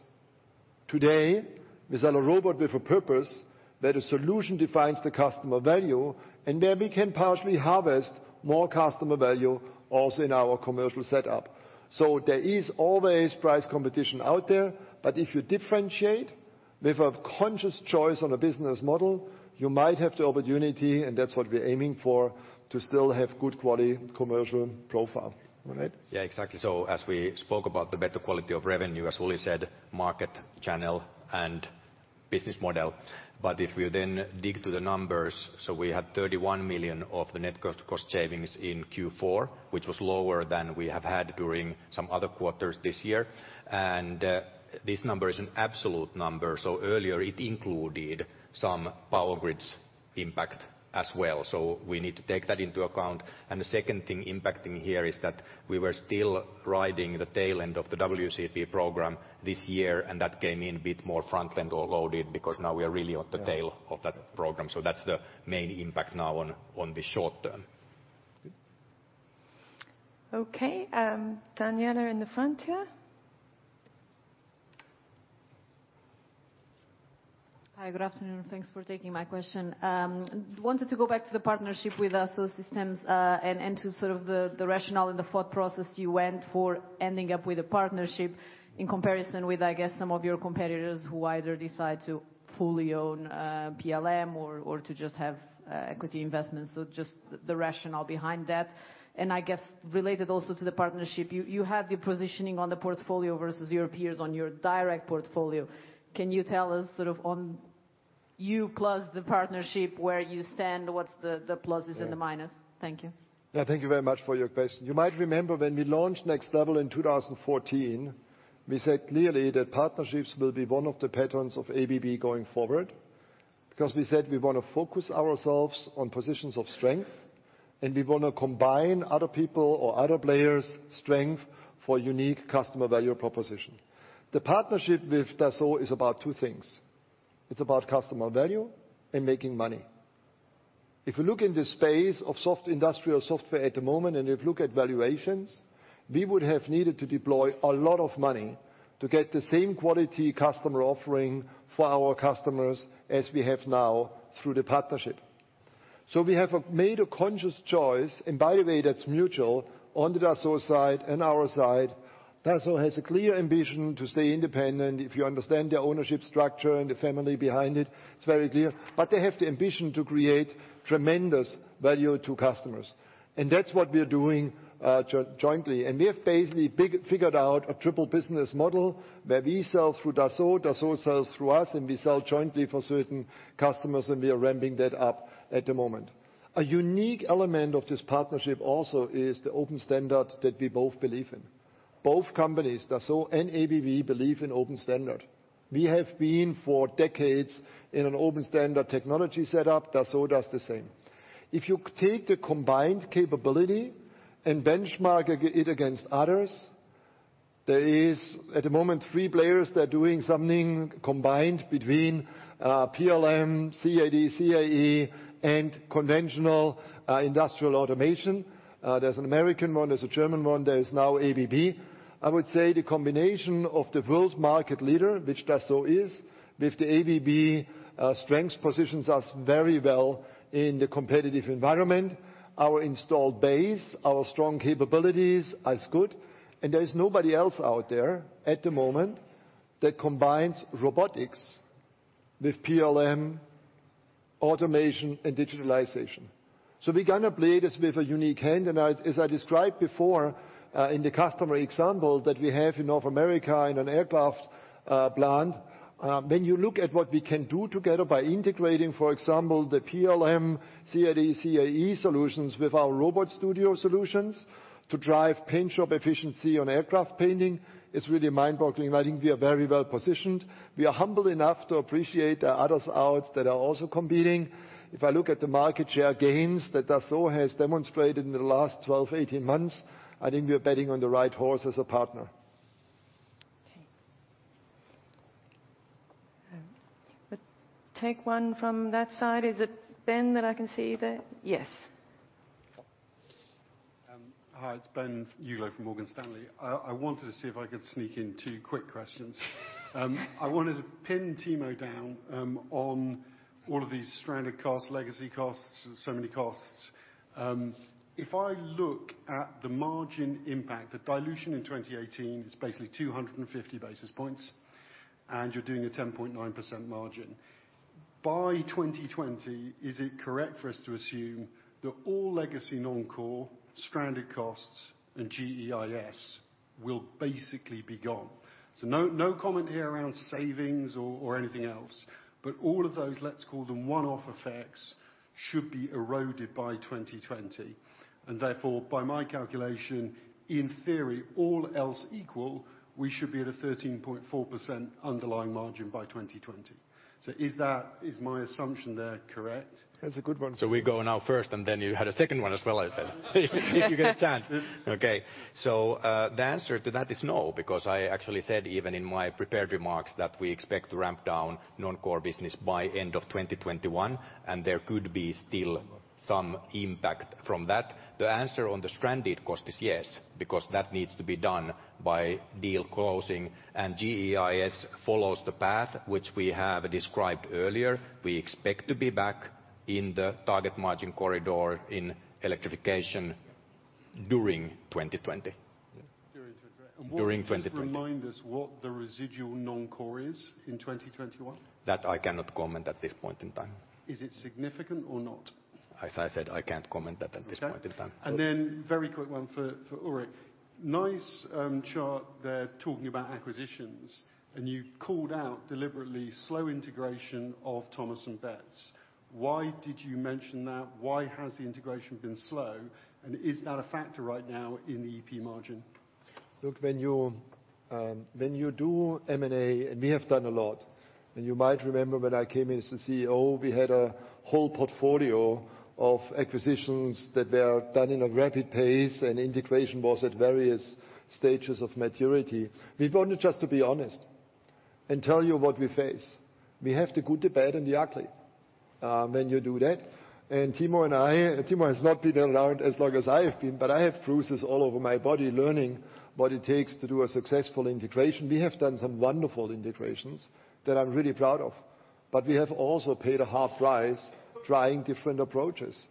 Today, we sell a robot with a purpose, where the solution defines the customer value, and there we can partially harvest more customer value also in our commercial setup. There is always price competition out there, but if you differentiate with a conscious choice on a business model, you might have the opportunity, and that's what we're aiming for, to still have good quality commercial profile. All right? Yeah, exactly. As we spoke about the better quality of revenue, as Uli said, market, channel, and business model. If we then dig to the numbers, we had 31 million of the net cost savings in Q4, which was lower than we have had during some other quarters this year. This number is an absolute number, earlier it included some Power Grids impact as well. We need to take that into account, and the second thing impacting here is that we were still riding the tail end of the WCP program this year, and that came in a bit more front-end loaded. Yeah. Of that program. That's the main impact now on the short term. Okay. Daniela in the front here. Hi, good afternoon. Thanks for taking my question. Wanted to go back to the partnership with Dassault Systèmes, and to sort of the rationale and the thought process you went for ending up with a partnership in comparison with, I guess, some of your competitors who either decide to fully own PLM or to just have equity investments. Just the rationale behind that. I guess related also to the partnership, you had the positioning on the portfolio versus your peers on your direct portfolio. Can you tell us sort of on you plus the partnership, where you stand? What's the pluses and the minuses? Yeah. Thank you. Thank you very much for your question. You might remember when we launched Next Level in 2014, we said clearly that partnerships will be one of the patterns of ABB going forward because we said we want to focus ourselves on positions of strength and we want to combine other people or other players' strength for unique customer value proposition. The partnership with Dassault is about two things. It is about customer value and making money. If you look in the space of industrial software at the moment, and if you look at valuations, we would have needed to deploy a lot of money to get the same quality customer offering for our customers as we have now through the partnership. We have made a conscious choice, and by the way, that is mutual on the Dassault side and our side. Dassault has a clear ambition to stay independent. If you understand their ownership structure and the family behind it is very clear, but they have the ambition to create tremendous value to customers. That is what we are doing jointly. We have basically figured out a triple business model where we sell through Dassault sells through us, and we sell jointly for certain customers, and we are ramping that up at the moment. A unique element of this partnership also is the open standard that we both believe in. Both companies, Dassault and ABB, believe in open standard. We have been for decades in an open standard technology setup. Dassault does the same. If you take the combined capability and benchmark it against others, there is at the moment three players that are doing something combined between PLM, CAD, CAE, and conventional Industrial Automation. There is an American one, there is a German one, there is now ABB. I would say the combination of the world's market leader, which Dassault is, with the ABB strengths, positions us very well in the competitive environment. Our installed base, our strong capabilities are as good, and there is nobody else out there at the moment that combines robotics with PLM, automation, and digitalization. We kind of play this with a unique hand, and as I described before, in the customer example that we have in North America in an aircraft plant, when you look at what we can do together by integrating, for example, the PLM, CAD, CAE solutions with our RobotStudio solutions to drive paint shop efficiency on aircraft painting, is really mind-boggling, and I think we are very well positioned. We are humble enough to appreciate there are others out that are also competing. If I look at the market share gains that Dassault has demonstrated in the last 12, 18 months, I think we are betting on the right horse as a partner. Okay. We'll take one from that side. Is it Ben that I can see there? Yes. Hi, it's Ben Uglow from Morgan Stanley. I wanted to see if I could sneak in two quick questions. I wanted to pin Timo down on all of these stranded costs, legacy costs, so many costs. If I look at the margin impact, the dilution in 2018 is basically 250 basis points, and you're doing a 10.9% margin. By 2020, is it correct for us to assume that all legacy non-core stranded costs and GEIS will basically be gone? No comment here around savings or anything else. All of those, let's call them one-off effects, should be eroded by 2020, and therefore, by my calculation, in theory, all else equal, we should be at a 13.4% underlying margin by 2020. Is my assumption there correct? That's a good one. We go now first, and then you had a second one as well I said. If you get a chance. Okay. The answer to that is no, because I actually said even in my prepared remarks that we expect to ramp down non-core business by end of 2021, and there could be still some impact from that. The answer on the stranded cost is yes, because that needs to be done by deal closing, and GEIS follows the path which we have described earlier. We expect to be back in the target margin corridor in Electrification during 2020. Would you just remind us what the residual non-core is in 2021? That I cannot comment at this point in time. Is it significant or not? As I said, I can't comment that at this point in time. Okay. Very quick one for Uli. Nice chart there talking about acquisitions, you called out deliberately slow integration of Thomas & Betts. Why did you mention that? Why has the integration been slow? Is that a factor right now in the EP margin? Look, when you do M&A, we have done a lot, you might remember when I came in as the CEO, we had a whole portfolio of acquisitions that were done in a rapid pace, integration was at various stages of maturity. We want just to be honest and tell you what we face. We have the good, the bad, and the ugly when you do that. Timo and I, Timo has not been around as long as I have been, I have bruises all over my body learning what it takes to do a successful integration. We have done some wonderful integrations that I'm really proud of, we have also paid a high price trying different approaches.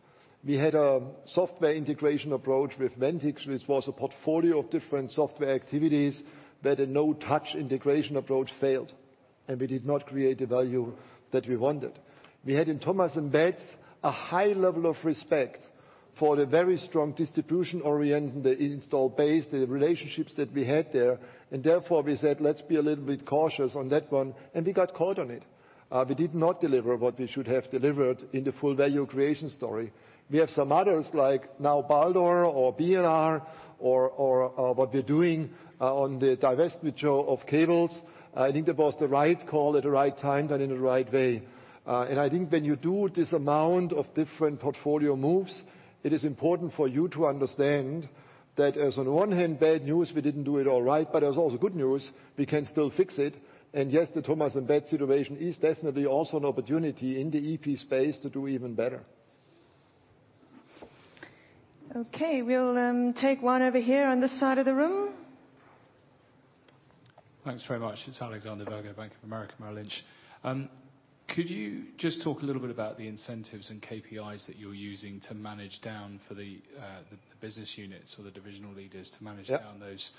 We had a software integration approach with Mendix, which was a portfolio of different software activities where the no-touch integration approach failed, we did not create the value that we wanted. We had in Thomas & Betts a high level of respect for the very strong distribution-oriented install base, the relationships that we had there, therefore we said, "Let's be a little bit cautious on that one," we got caught on it. We did not deliver what we should have delivered in the full value creation story. We have some others like now Baldor or B&R or what we're doing on the divestiture of cables. I think that was the right call at the right time done in the right way. I think when you do this amount of different portfolio moves, it is important for you to understand that as on one hand bad news, we didn't do it all right, there's also good news. We can still fix it. Yes, the Thomas & Betts situation is definitely also an opportunity in the EP space to do even better. Okay. We'll take one over here on this side of the room. Thanks very much. It's Alexander Virgo, Bank of America Merrill Lynch. Could you just talk a little bit about the incentives and KPIs that you're using to manage down for the business units or the divisional leaders to manage down those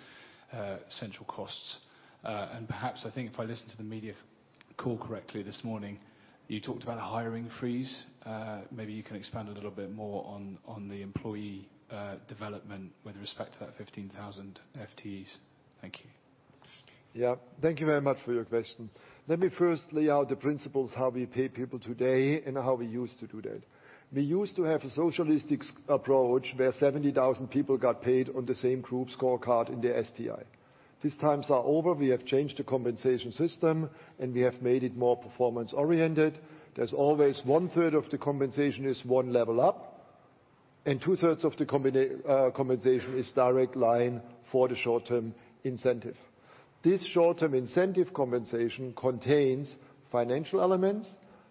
central costs? Perhaps, I think if I listen to the media call correctly this morning, you talked about a hiring freeze. Maybe you can expand a little bit more on the employee development with respect to that 15,000 FTEs. Thank you. Yeah. Thank you very much for your question. Let me first lay out the principles, how we pay people today and how we used to do that. We used to have a socialistic approach where 70,000 people got paid on the same group scorecard in the STI. These times are over. We have changed the compensation system, and we have made it more performance-oriented. There's always one-third of the compensation is one level up, and two-thirds of the compensation is direct line for the short-term incentive. This short-term incentive compensation contains financial elements,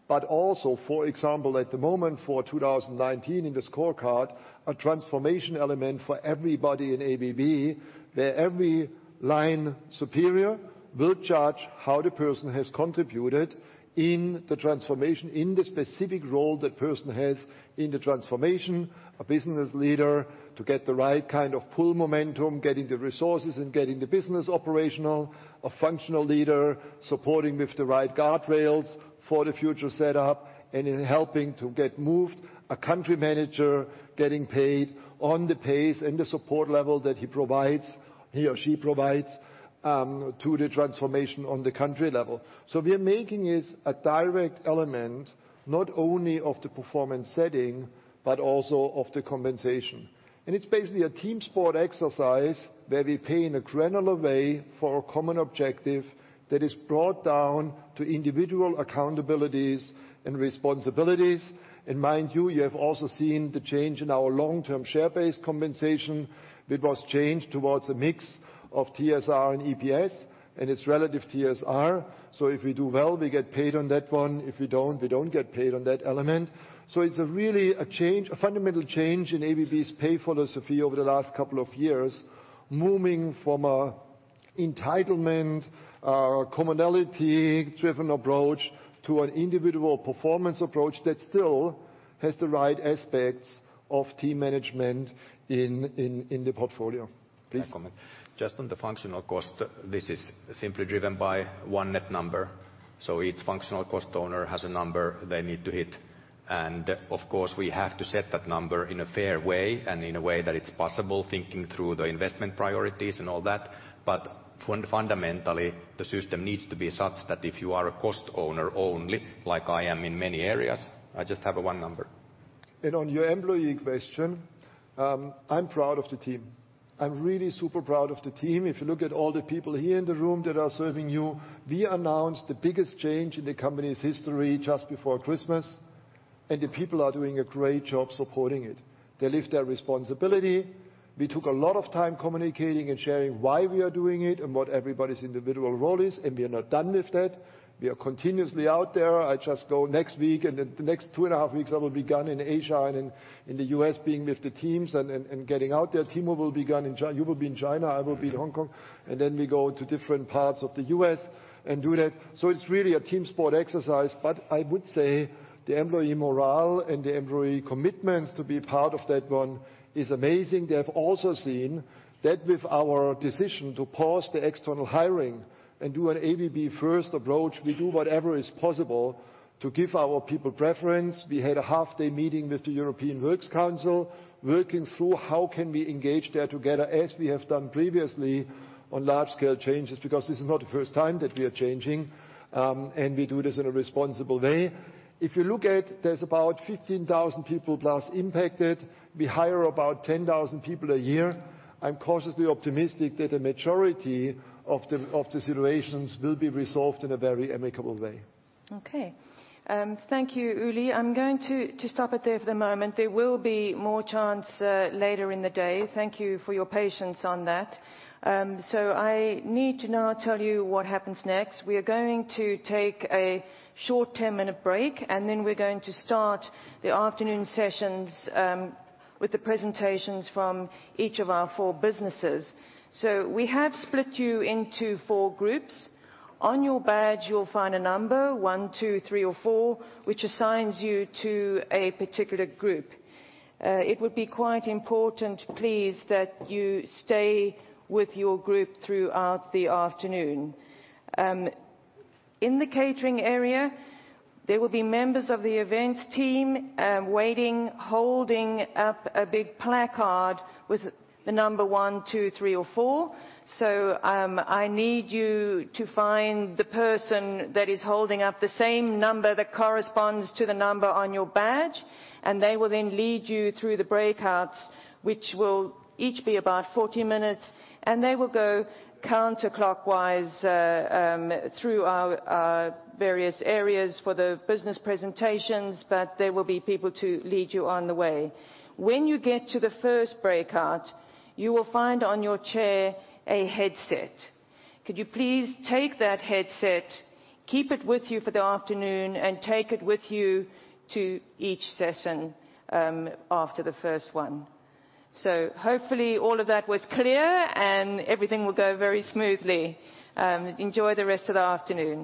but also, for example, at the moment for 2019 in the scorecard, a transformation element for everybody in ABB, where every line superior will judge how the person has contributed in the transformation, in the specific role that person has in the transformation. A business leader to get the right kind of pull momentum, getting the resources and getting the business operational. A functional leader supporting with the right guardrails for the future set up and in helping to get moved. A country manager getting paid on the pace and the support level that he or she provides, to the transformation on the country level. We are making it a direct element, not only of the performance setting, but also of the compensation. It's basically a team sport exercise where we pay in a granular way for a common objective that is brought down to individual accountabilities and responsibilities. Mind you have also seen the change in our long-term share-based compensation that was changed towards a mix of TSR and EPS and its relative TSR. If we do well, we get paid on that one, if we don't, we don't get paid on that element. It's really a fundamental change in ABB's pay philosophy over the last couple of years, moving from an entitlement, commonality-driven approach to an individual performance approach that still has the right aspects of team management in the portfolio. Please. I comment just on the functional cost. This is simply driven by one net number. Each functional cost owner has a number they need to hit. Of course, we have to set that number in a fair way and in a way that it's possible thinking through the investment priorities and all that. Fundamentally, the system needs to be such that if you are a cost owner only, like I am in many areas, I just have a one number. On your employee question, I'm proud of the team. I'm really super proud of the team. If you look at all the people here in the room that are serving you, we announced the biggest change in the company's history just before Christmas. The people are doing a great job supporting it. They live their responsibility. We took a lot of time communicating and sharing why we are doing it and what everybody's individual role is. We are not done with that. We are continuously out there. I just go next week and the next two and a half weeks, I will be gone in Asia and in the U.S. being with the teams and getting out there. Timo will be gone in China. You will be in China, I will be in Hong Kong, we go to different parts of the U.S. and do that. It's really a team sport exercise, but I would say the employee morale and the employee commitment to be part of that one is amazing. They have also seen that with our decision to pause the external hiring and do an ABB first approach. We do whatever is possible to give our people preference. We had a half-day meeting with the European Works Council, working through how can we engage there together, as we have done previously on large scale changes, because this is not the first time that we are changing. We do this in a responsible way. If you look at, there's about 15,000 people plus impacted. We hire about 10,000 people a year. I'm cautiously optimistic that the majority of the situations will be resolved in a very amicable way. Okay. Thank you, Uli. I'm going to stop it there for the moment. There will be more chance later in the day. Thank you for your patience on that. I need to now tell you what happens next. We are going to take a short 10-minute break, we're going to start the afternoon sessions with the presentations from each of our four businesses. We have split you into four groups. On your badge, you'll find a number, one, two, three, or four, which assigns you to a particular group. It would be quite important, please, that you stay with your group throughout the afternoon. In the catering area, there will be members of the events team waiting, holding up a big placard with the number one, two, three, or four. I need you to find the person that is holding up the same number that corresponds to the number on your badge, they will then lead you through the breakouts, which will each be about 40 minutes, they will go counterclockwise through our various areas for the business presentations. There will be people to lead you on the way. When you get to the first breakout, you will find on your chair a headset. Could you please take that headset, keep it with you for the afternoon, take it with you to each session after the first one. Hopefully all of that was clear and everything will go very smoothly. Enjoy the rest of the afternoon.